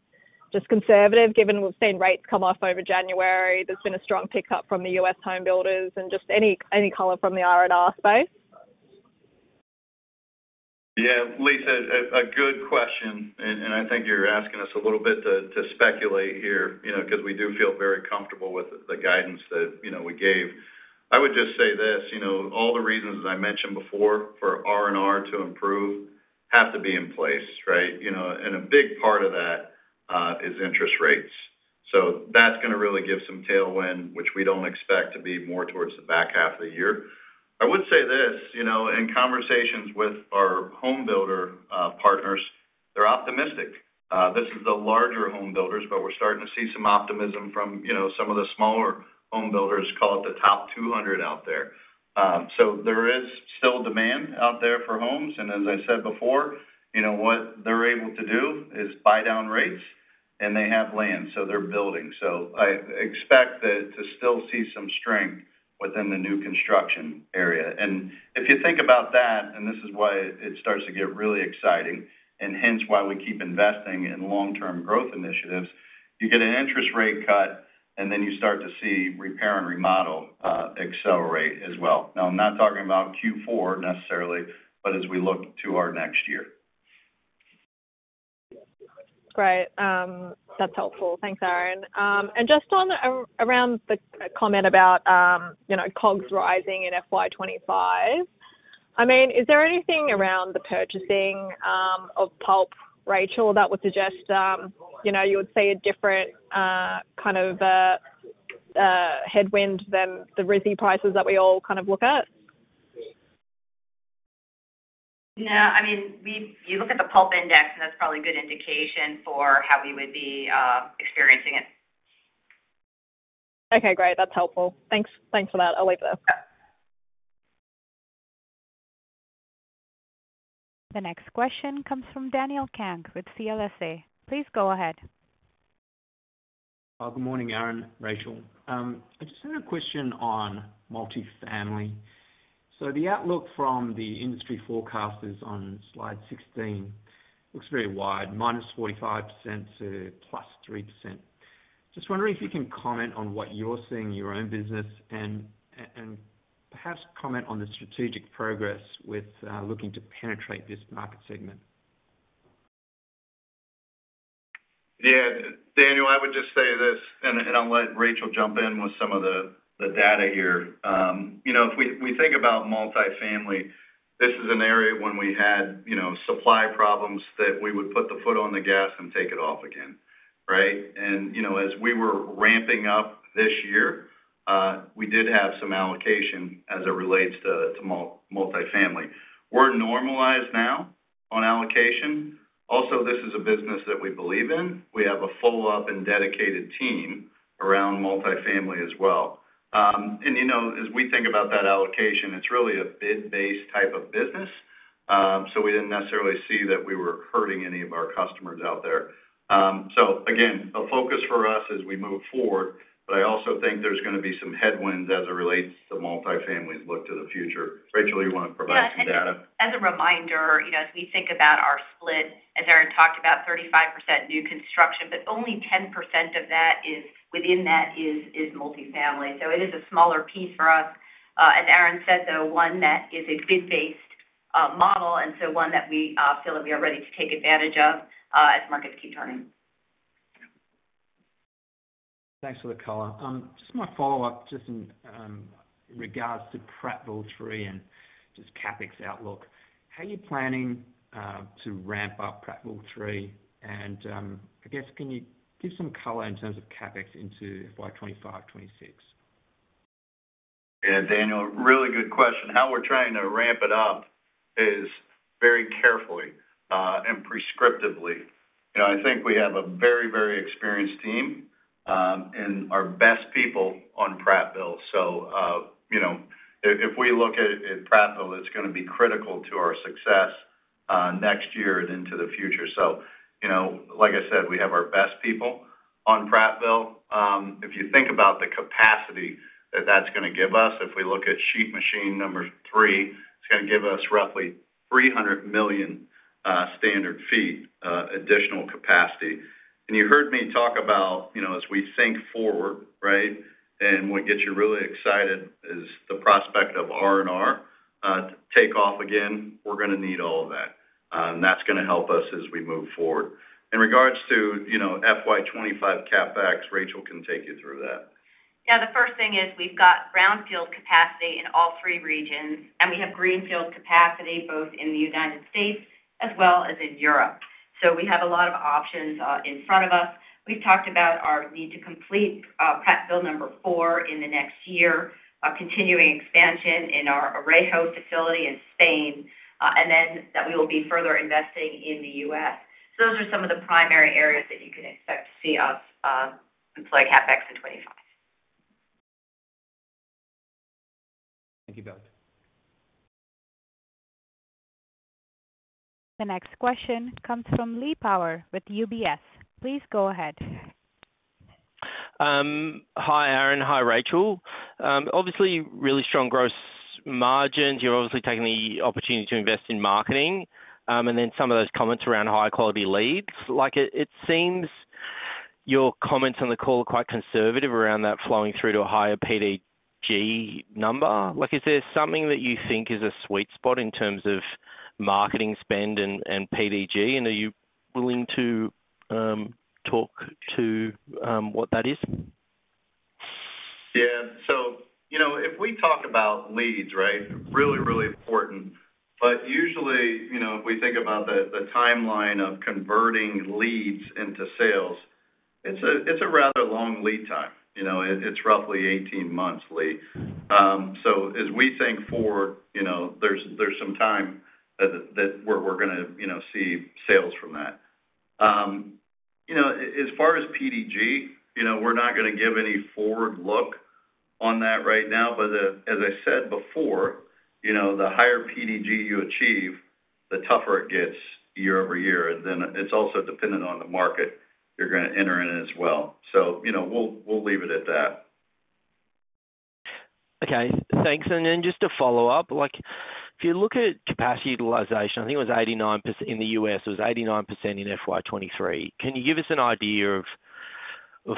just conservative, given we've seen rates come off over January, there's been a strong pickup from the U.S. home builders, and just any color from the R&R space? Yeah, Lisa, a good question, and I think you're asking us a little bit to speculate here, you know, because we do feel very comfortable with the guidance that, you know, we gave. I would just say this: You know, all the reasons I mentioned before for R&R to improve have to be in place, right? You know, and a big part of that is interest rates. So that's gonna really give some tailwind, which we don't expect to be more towards the back half of the year. I would say this, you know, in conversations with our home builder partners, they're optimistic. This is the larger home builders, but we're starting to see some optimism from, you know, some of the smaller home builders, call it the top 200 out there. So there is still demand out there for homes, and as I said before, you know, what they're able to do is buy down rates, and they have land, so they're building. So I expect that to still see some strength within the new construction area. And if you think about that, and this is why it starts to get really exciting, and hence why we keep investing in long-term growth initiatives, you get an interest rate cut, and then you start to see repair and remodel accelerate as well. Now, I'm not talking about Q4 necessarily, but as we look to our next year. Great. That's helpful. Thanks, Aaron. And just on, around the comment about, you know, COGS rising in FY 25, I mean, is there anything around the purchasing, of pulp, Rachel, that would suggest, you know, you would see a different, kind of, headwind than the RISI prices that we all kind of look at? No, I mean, we, you look at the pulp index, and that's probably a good indication for how we would be experiencing it. Okay, great. That's helpful. Thanks. Thanks for that. I'll leave it there. The next question comes from Daniel Kang with CLSA. Please go ahead. Good morning, Aaron, Rachel. I just had a question on multifamily. So the outlook from the industry forecasters on slide 16 looks very wide, -45% to +3%. Just wondering if you can comment on what you're seeing in your own business and perhaps comment on the strategic progress with looking to penetrate this market segment. Yeah, Daniel, I would just say this, and I'll let Rachel jump in with some of the data here. You know, if we think about multifamily, this is an area when we had, you know, supply problems that we would put the foot on the gas and take it off again, right? And, you know, as we were ramping up this year, we did have some allocation as it relates to multifamily. We're normalized now on allocation. Also, this is a business that we believe in. We have a full up and dedicated team around multifamily as well. And, you know, as we think about that allocation, it's really a bid-based type of business, so we didn't necessarily see that we were hurting any of our customers out there. So again, a focus for us as we move forward, but I also think there's gonna be some headwinds as it relates to multifamily as we look to the future. Rachel, you want to provide some data? Yeah, as a reminder, you know, as we think about our split, as Aaron talked about, 35% new construction, but only 10% of that is multifamily. So it is a smaller piece for us. As Aaron said, though, one that is a bid-based model, and so one that we feel that we are ready to take advantage of, as markets keep turning. Thanks for the color. Just my follow-up, just in regards to Prattville 3 and just CapEx outlook. How are you planning to ramp up Prattville 3? And, I guess, can you give some color in terms of CapEx into FY 2025, 2026? Yeah, Daniel, really good question. How we're trying to ramp it up is very carefully and prescriptively. You know, I think we have a very, very experienced team and our best people on Prattville. So, you know, if we look at Prattville, it's gonna be critical to our success next year and into the future. So, you know, like I said, we have our best people on Prattville. If you think about the capacity that that's gonna give us, if we look at sheet machine number three, it's gonna give us roughly 300 million square feet additional capacity. And you heard me talk about, you know, as we think forward, right? And what gets you really excited is the prospect of R&R take off again. We're gonna need all of that, and that's gonna help us as we move forward. In regards to, you know, FY 2025 CapEx, Rachel can take you through that. Yeah, the first thing is we've got brownfield capacity in all three regions, and we have greenfield capacity both in the United States as well as in Europe. So we have a lot of options in front of us. We've talked about our need to complete Prattville number 4 in the next year, continuing expansion in our Orejo facility in Spain, and then that we will be further investing in the U.S. So those are some of the primary areas that you can expect to see us deploy CapEx in 2025. Thank you both. The next question comes from Lee Power with UBS. Please go ahead. Hi, Aaron. Hi, Rachel. Obviously, really strong gross margins. You're obviously taking the opportunity to invest in marketing, and then some of those comments around high-quality leads. Like, it seems your comments on the call are quite conservative around that flowing through to a higher PDG number. Like, is there something that you think is a sweet spot in terms of marketing spend and PDG, and are you willing to talk to what that is? Yeah. So, you know, if we talk about leads, right? Really, really important. But usually, you know, if we think about the timeline of converting leads into sales, it's a rather long lead time. You know, it's roughly 18 months, Lee. So as we think, you know, there's some time that we're gonna, you know, see sales from that. You know, as far as PDG, you know, we're not gonna give any forward look on that right now, but as I said before, you know, the higher PDG you achieve, the tougher it gets year-over-year, and then it's also dependent on the market you're gonna enter in as well. So, you know, we'll leave it at that. Okay, thanks. And then just to follow up, like, if you look at capacity utilization, I think it was 89% in the U.S., it was 89% in FY 2023. Can you give us an idea of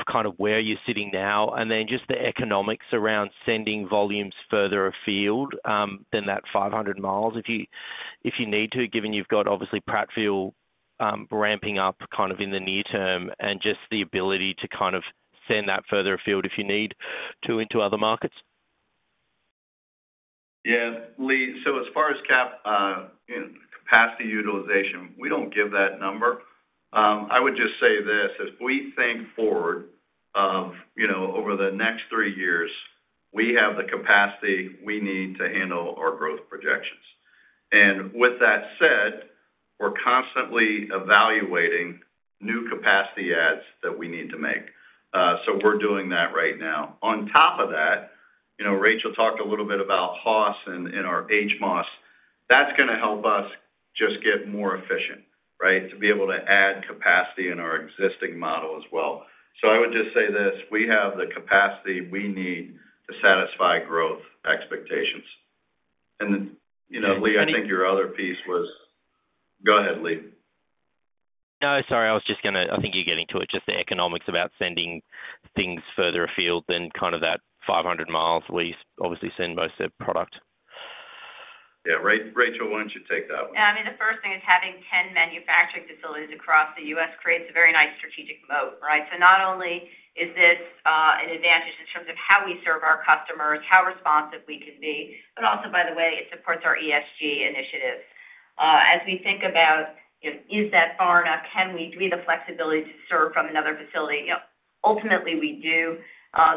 kind of where you're sitting now? And then just the economics around sending volumes further afield than that 500 miles, if you need to, given you've got obviously Prattville ramping up kind of in the near term, and just the ability to kind of send that further afield, if you need to, into other markets? Yeah, Lee. So as far as capacity utilization, we don't give that number. I would just say this: as we think forward of, you know, over the next three years, we have the capacity we need to handle our growth projections. And with that said, we're constantly evaluating new capacity adds that we need to make. So we're doing that right now. On top of that, you know, Rachel talked a little bit about HOS and our HMOS. That's gonna help us just get more efficient, right? To be able to add capacity in our existing model as well. So I would just say this: we have the capacity we need to satisfy growth expectations. And, you know, Lee, I think your other piece was. Go ahead, Lee. No, sorry, I was just gonna, I think you're getting to it just the economics about sending things further afield than kind of that 500 miles where you obviously send most of the product. Yeah, Rachel, why don't you take that one? Yeah, I mean, the first thing is having 10 manufacturing facilities across the U.S. creates a very nice strategic moat, right? So not only is this an advantage in terms of how we serve our customers, how responsive we can be, but also, by the way, it supports our ESG initiatives. As we think about, you know, is that far enough? Can we? Do we have the flexibility to serve from another facility? You know, ultimately, we do.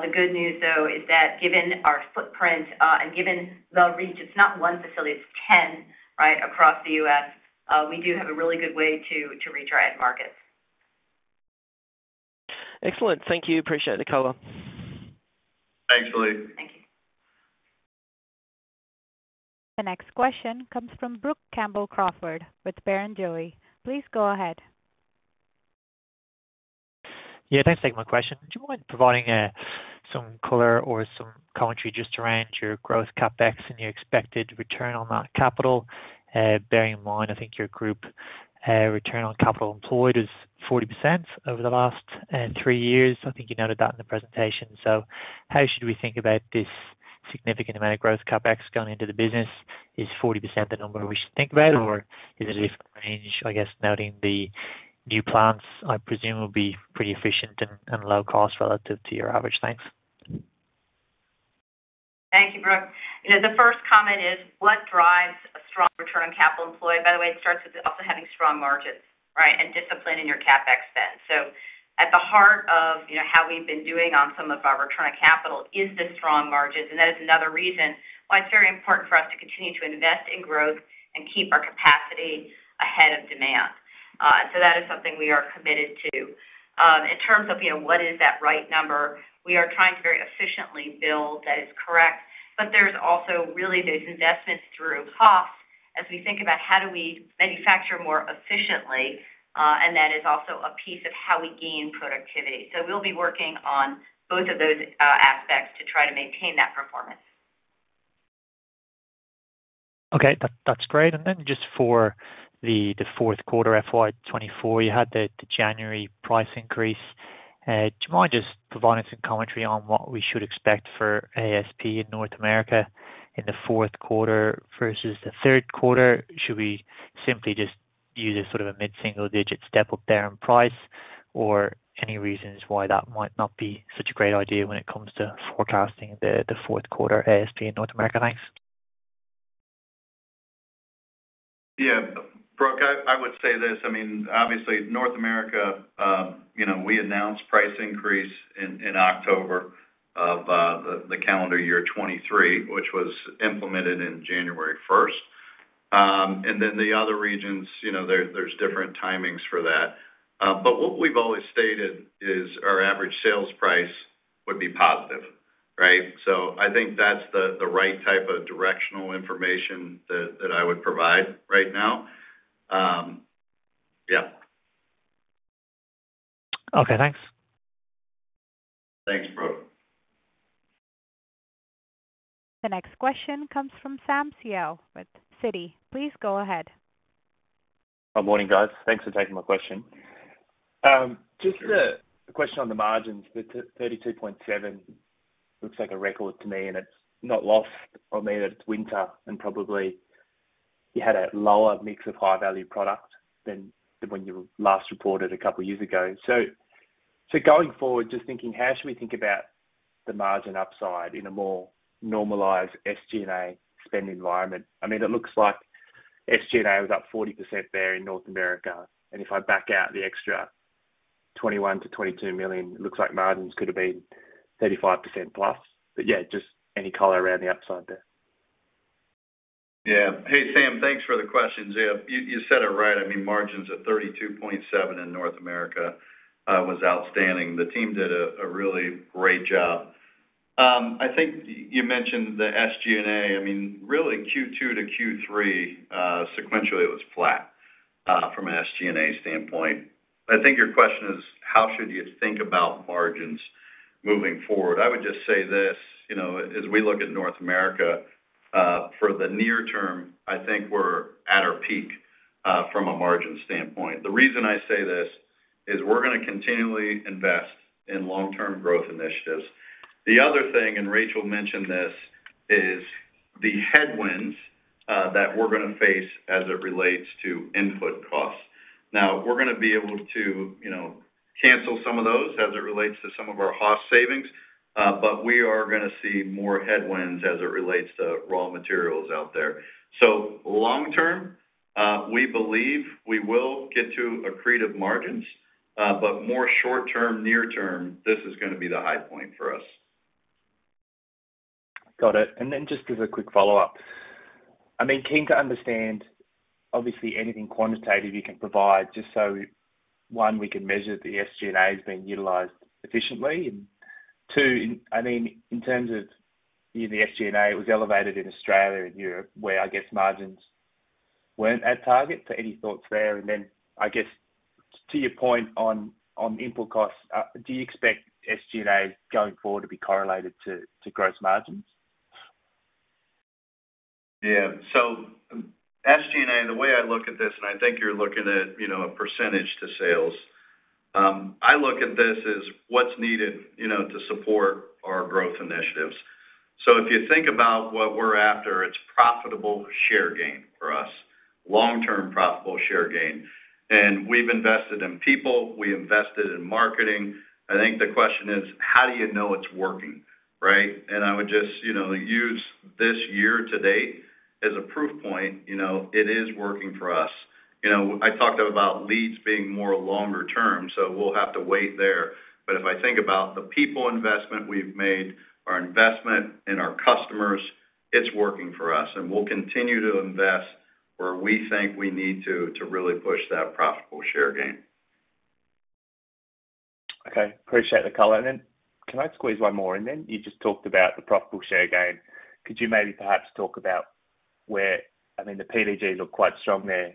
The good news, though, is that given our footprint and given the reach, it's not one facility, it's 10, right, across the U.S., we do have a really good way to reach our end markets. Excellent. Thank you. Appreciate the color. Thanks, Lee. Thank you. The next question comes from Brook Campbell-Crawford with Barrenjoey. Please go ahead. Yeah, thanks for taking my question. Do you mind providing, some color or some commentary just around your growth CapEx and your expected return on that capital? Bearing in mind, I think your group, return on capital employed is 40% over the last, 3 years. I think you noted that in the presentation. So how should we think about this significant amount of growth CapEx going into the business? Is 40% the number we should think about, or is it a range? I guess, noting the new plants, I presume, will be pretty efficient and, and low cost relative to your average. Thanks. Thank you, Brook. You know, the first comment is: What drives a strong return on capital employed? By the way, it starts with also having strong margins, right, and discipline in your CapEx spend. So at the heart of, you know, how we've been doing on some of our return on capital is the strong margins, and that is another reason why it's very important for us to continue to invest in growth and keep our capacity ahead of demand. So that is something we are committed to. In terms of, you know, what is that right number, we are trying to very efficiently build. That is correct, but there's also really those investments through cost as we think about how do we manufacture more efficiently, and that is also a piece of how we gain productivity. We'll be working on both of those aspects to try to maintain that performance. Okay, that, that's great. And then just for the Q4, FY 2024, you had the January price increase. Do you mind just providing some commentary on what we should expect for ASP in North America in the Q4 versus the Q3? Should we simply just use a sort of a mid-single digit step up there in price, or any reasons why that might not be such a great idea when it comes to forecasting the Q4 ASP in North America? Thanks. Yeah, Brook, I would say this: I mean, obviously, North America, you know, we announced price increase in October of the calendar year 2023, which was implemented in January first. And then the other regions, you know, there's different timings for that. But what we've always stated is our average sales price would be positive, right? So I think that's the right type of directional information that I would provide right now. Yeah. Okay, thanks. Thanks, Brook. The next question comes from Sam Seow with Citi. Please go ahead. Good morning, guys. Thanks for taking my question. Just a question on the margins. The 32.7 looks like a record to me, and it's not lost on me that it's winter, and probably you had a lower mix of high-value product than when you last reported a couple years ago. So, going forward, just thinking, how should we think about the margin upside in a more normalized SG&A spend environment? I mean, it looks like SG&A was up 40% there in North America, and if I back out the extra $21 million to 22 million, it looks like margins could have been 35%+. But yeah, just any color around the upside there? Yeah. Hey, Sam, thanks for the question. Yeah. You said it right. I mean, margins at 32.7% in North America was outstanding. The team did a really great job. I think you mentioned the SG&A. I mean, really Q2 to Q3 sequentially, it was flat from an SG&A standpoint. I think your question is: How should you think about margins moving forward? I would just say this, you know, as we look at North America for the near term, I think we're at our peak from a margin standpoint. The reason I say this is we're gonna continually invest in long-term growth initiatives. The other thing, and Rachel mentioned this, is the headwinds that we're gonna face as it relates to input costs. Now, we're gonna be able to, you know, cancel some of those as it relates to some of our HMOS savings, but we are gonna see more headwinds as it relates to raw materials out there. So long term, we believe we will get to accretive margins, but more short term, near term, this is gonna be the high point for us. Got it. And then just as a quick follow-up, I mean, keen to understand obviously anything quantitative you can provide, just so, one, we can measure the SG&A is being utilized efficiently, and two, I mean, in terms of the SG&A, it was elevated in Australia and Europe, where I guess margins weren't at target, so any thoughts there? And then, I guess, to your point on, on input costs, do you expect SG&A, going forward, to be correlated to, to gross margins? Yeah. So SG&A, the way I look at this, and I think you're looking at, you know, a percentage to sales. I look at this as what's needed, you know, to support our growth initiatives. So if you think about what we're after, it's profitable share gain for us, long-term profitable share gain. And we've invested in people, we invested in marketing. I think the question is: How do you know it's working, right? And I would just, you know, use this year to date as a proof point. You know, it is working for us. You know, I talked about leads being more longer term, so we'll have to wait there. But if I think about the people investment we've made, our investment in our customers, it's working for us, and we'll continue to invest where we think we need to, to really push that profitable share gain. Okay, appreciate the color. And then can I squeeze one more in then? You just talked about the profitable share gain. Could you maybe perhaps talk about where, I mean, the PDGs look quite strong there.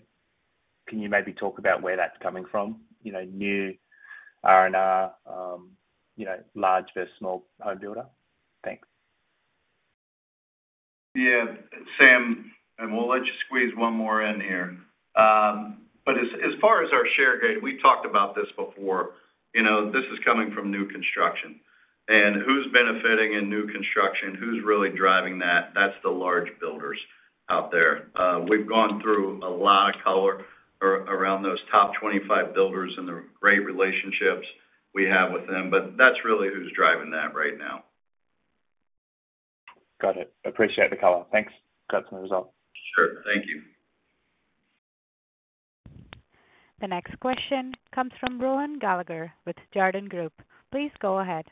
Can you maybe talk about where that's coming from? You know, new R&R, you know, large versus small home builder? Thanks. Yeah, Sam, and we'll let you squeeze one more in here. But as far as our share gain, we've talked about this before, you know, this is coming from new construction. Who's benefiting in new construction? Who's really driving that? That's the large builders out there. We've gone through a lot of color around those top 25 builders and the great relationships we have with them, but that's really who's driving that right now. Got it. Appreciate the color. Thanks. That's all. Sure. Thank you. The next question comes from Rohan Gallagher with Jarden Group. Please go ahead.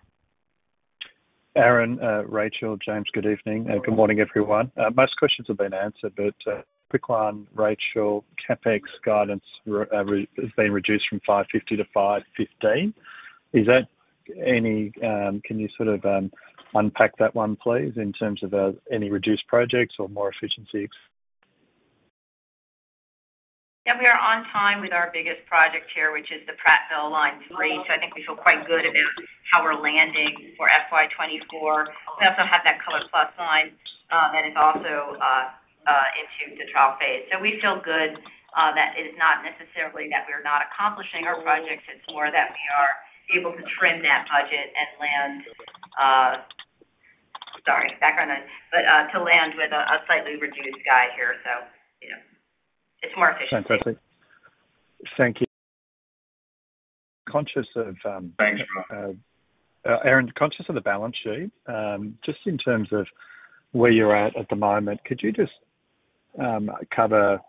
Aaron, Rachel, James, good evening, and good morning, everyone. Most questions have been answered, but quick one, Rachel, CapEx guidance has been reduced from $550 million to $515 million. Is that any... Can you sort of unpack that one, please, in terms of any reduced projects or more efficiencies? Yeah, we are on time with our biggest project here, which is the Prattville Line 3. So I think we feel quite good about how we're landing for FY 2024. We also have that ColorPlus siding that is also into the trial phase. So we feel good that it is not necessarily that we're not accomplishing our projects. It's more that we are able to trim that budget and land to land with a slightly reduced guide here. So, you know, it's more efficient. Fantastic. Thank you. Aaron, conscious of the balance sheet, just in terms of where you're at at the moment, could you just cover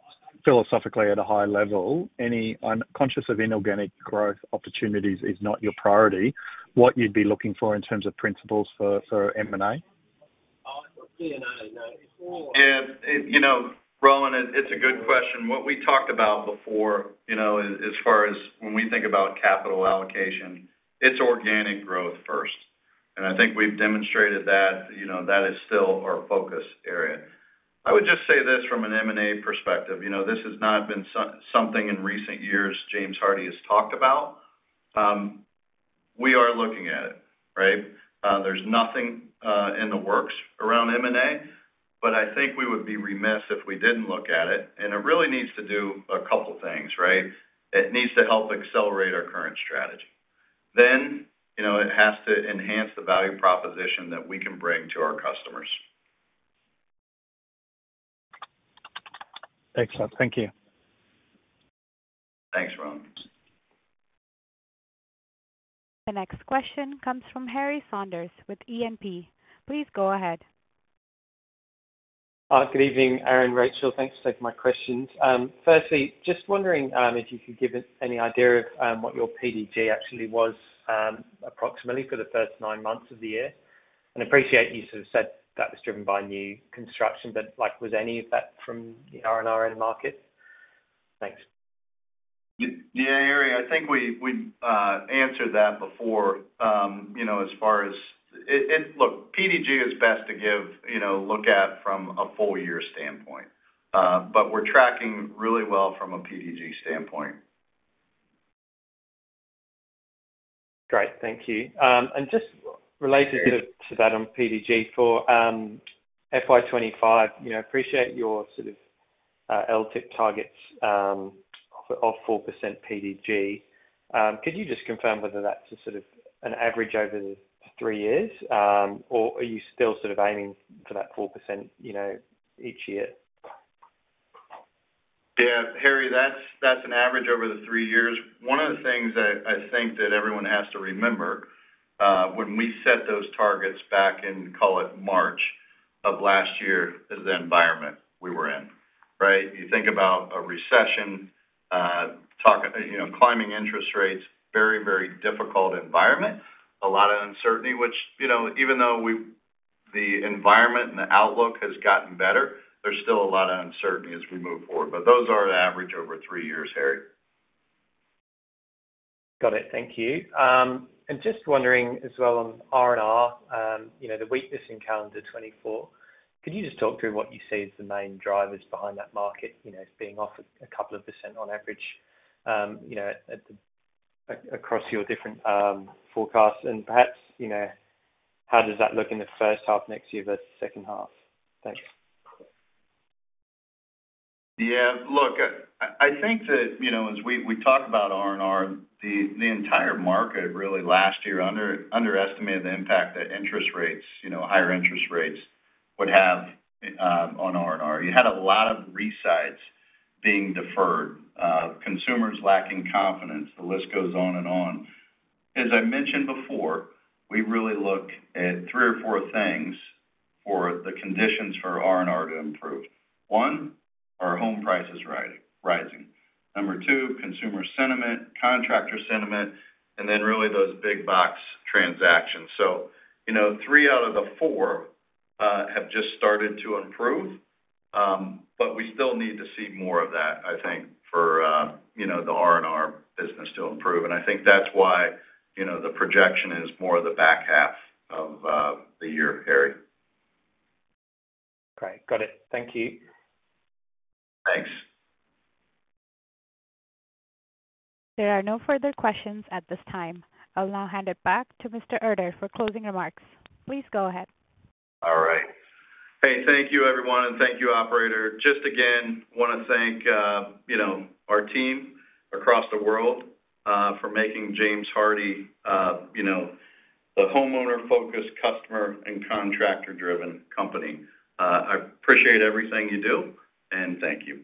philosophically at a high level, any conscious of inorganic growth opportunities is not your priority, what you'd be looking for in terms of principles for, for M&A? Yeah, you know, Rohan, it's a good question. What we talked about before, you know, as far as when we think about capital allocation, it's organic growth first. I think we've demonstrated that, you know, that is still our focus area. I would just say this from an M&A perspective, you know, this has not been something in recent years James Hardie has talked about. We are looking at it, right? There's nothing in the works around M&A, but I think we would be remiss if we didn't look at it, and it really needs to do a couple things, right? It needs to help accelerate our current strategy. Then, you know, it has to enhance the value proposition that we can bring to our customers. Excellent. Thank you. Thanks, RoHan. The next question comes from Harry Saunders with E&P. Please go ahead. Good evening, Aaron, Rachel, thanks for taking my questions. First, just wondering if you could give us any idea of what your PDG actually was, approximately for the first nine months of the year? I appreciate you sort of said that was driven by new construction, but like, was any of that from the R&R end market? Thanks. Yeah, Harry, I think we answered that before, you know, as far as it looks, PDG is best to give, you know, look at from a full year standpoint, but we're tracking really well from a PDG standpoint. Great. Thank you. Just related to that on PDG for FY 2025, you know, appreciate your sort of LTIP targets of 4% PDG. Or are you still sort of aiming for that 4%, you know, each year? Yeah, Harry, that's an average over the three years. One of the things that I think that everyone has to remember, when we set those targets back in, call it March of last year, is the environment we were in, right? You think about a recession, you know, climbing interest rates, very, very difficult environment, a lot of uncertainty, which, you know, even though we've the environment and the outlook has gotten better, there's still a lot of uncertainty as we move forward. But those are an average over three years, Harry. Got it. Thank you. And just wondering as well on R&R, you know, the weakness in calendar 2024, could you just talk through what you see as the main drivers behind that market, you know, being off a couple of % on average, you know, at the, across your different, forecasts? And perhaps, you know, how does that look in the first half next year versus second half? Thanks. Yeah, look, I think that, you know, as we talked about R&R, the entire market really last year underestimated the impact that interest rates, you know, higher interest rates would have on R&R. You had a lot of re-sides being deferred, consumers lacking confidence. The list goes on and on. As I mentioned before, we really look at three or four things for the conditions for R&R to improve. One, are home prices rising, rising? Number two, consumer sentiment, contractor sentiment, and then really those big box transactions. So, you know, three out of the four have just started to improve, but we still need to see more of that, I think, for, you know, the R&R business to improve. And I think that's why, you know, the projection is more the back half of the year, Harry. Great. Got it. Thank you. Thanks. There are no further questions at this time. I'll now hand it back to Mr. Erter for closing remarks. Please go ahead. All right. Hey, thank you, everyone, and thank you, operator. Just again, want to thank, you know, our team across the world, for making James Hardie, you know, the homeowner-focused, customer, and contractor-driven company. I appreciate everything you do, and thank you.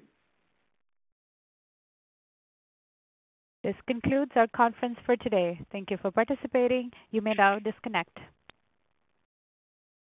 This concludes our conference for today. Thank you for participating. You may now disconnect.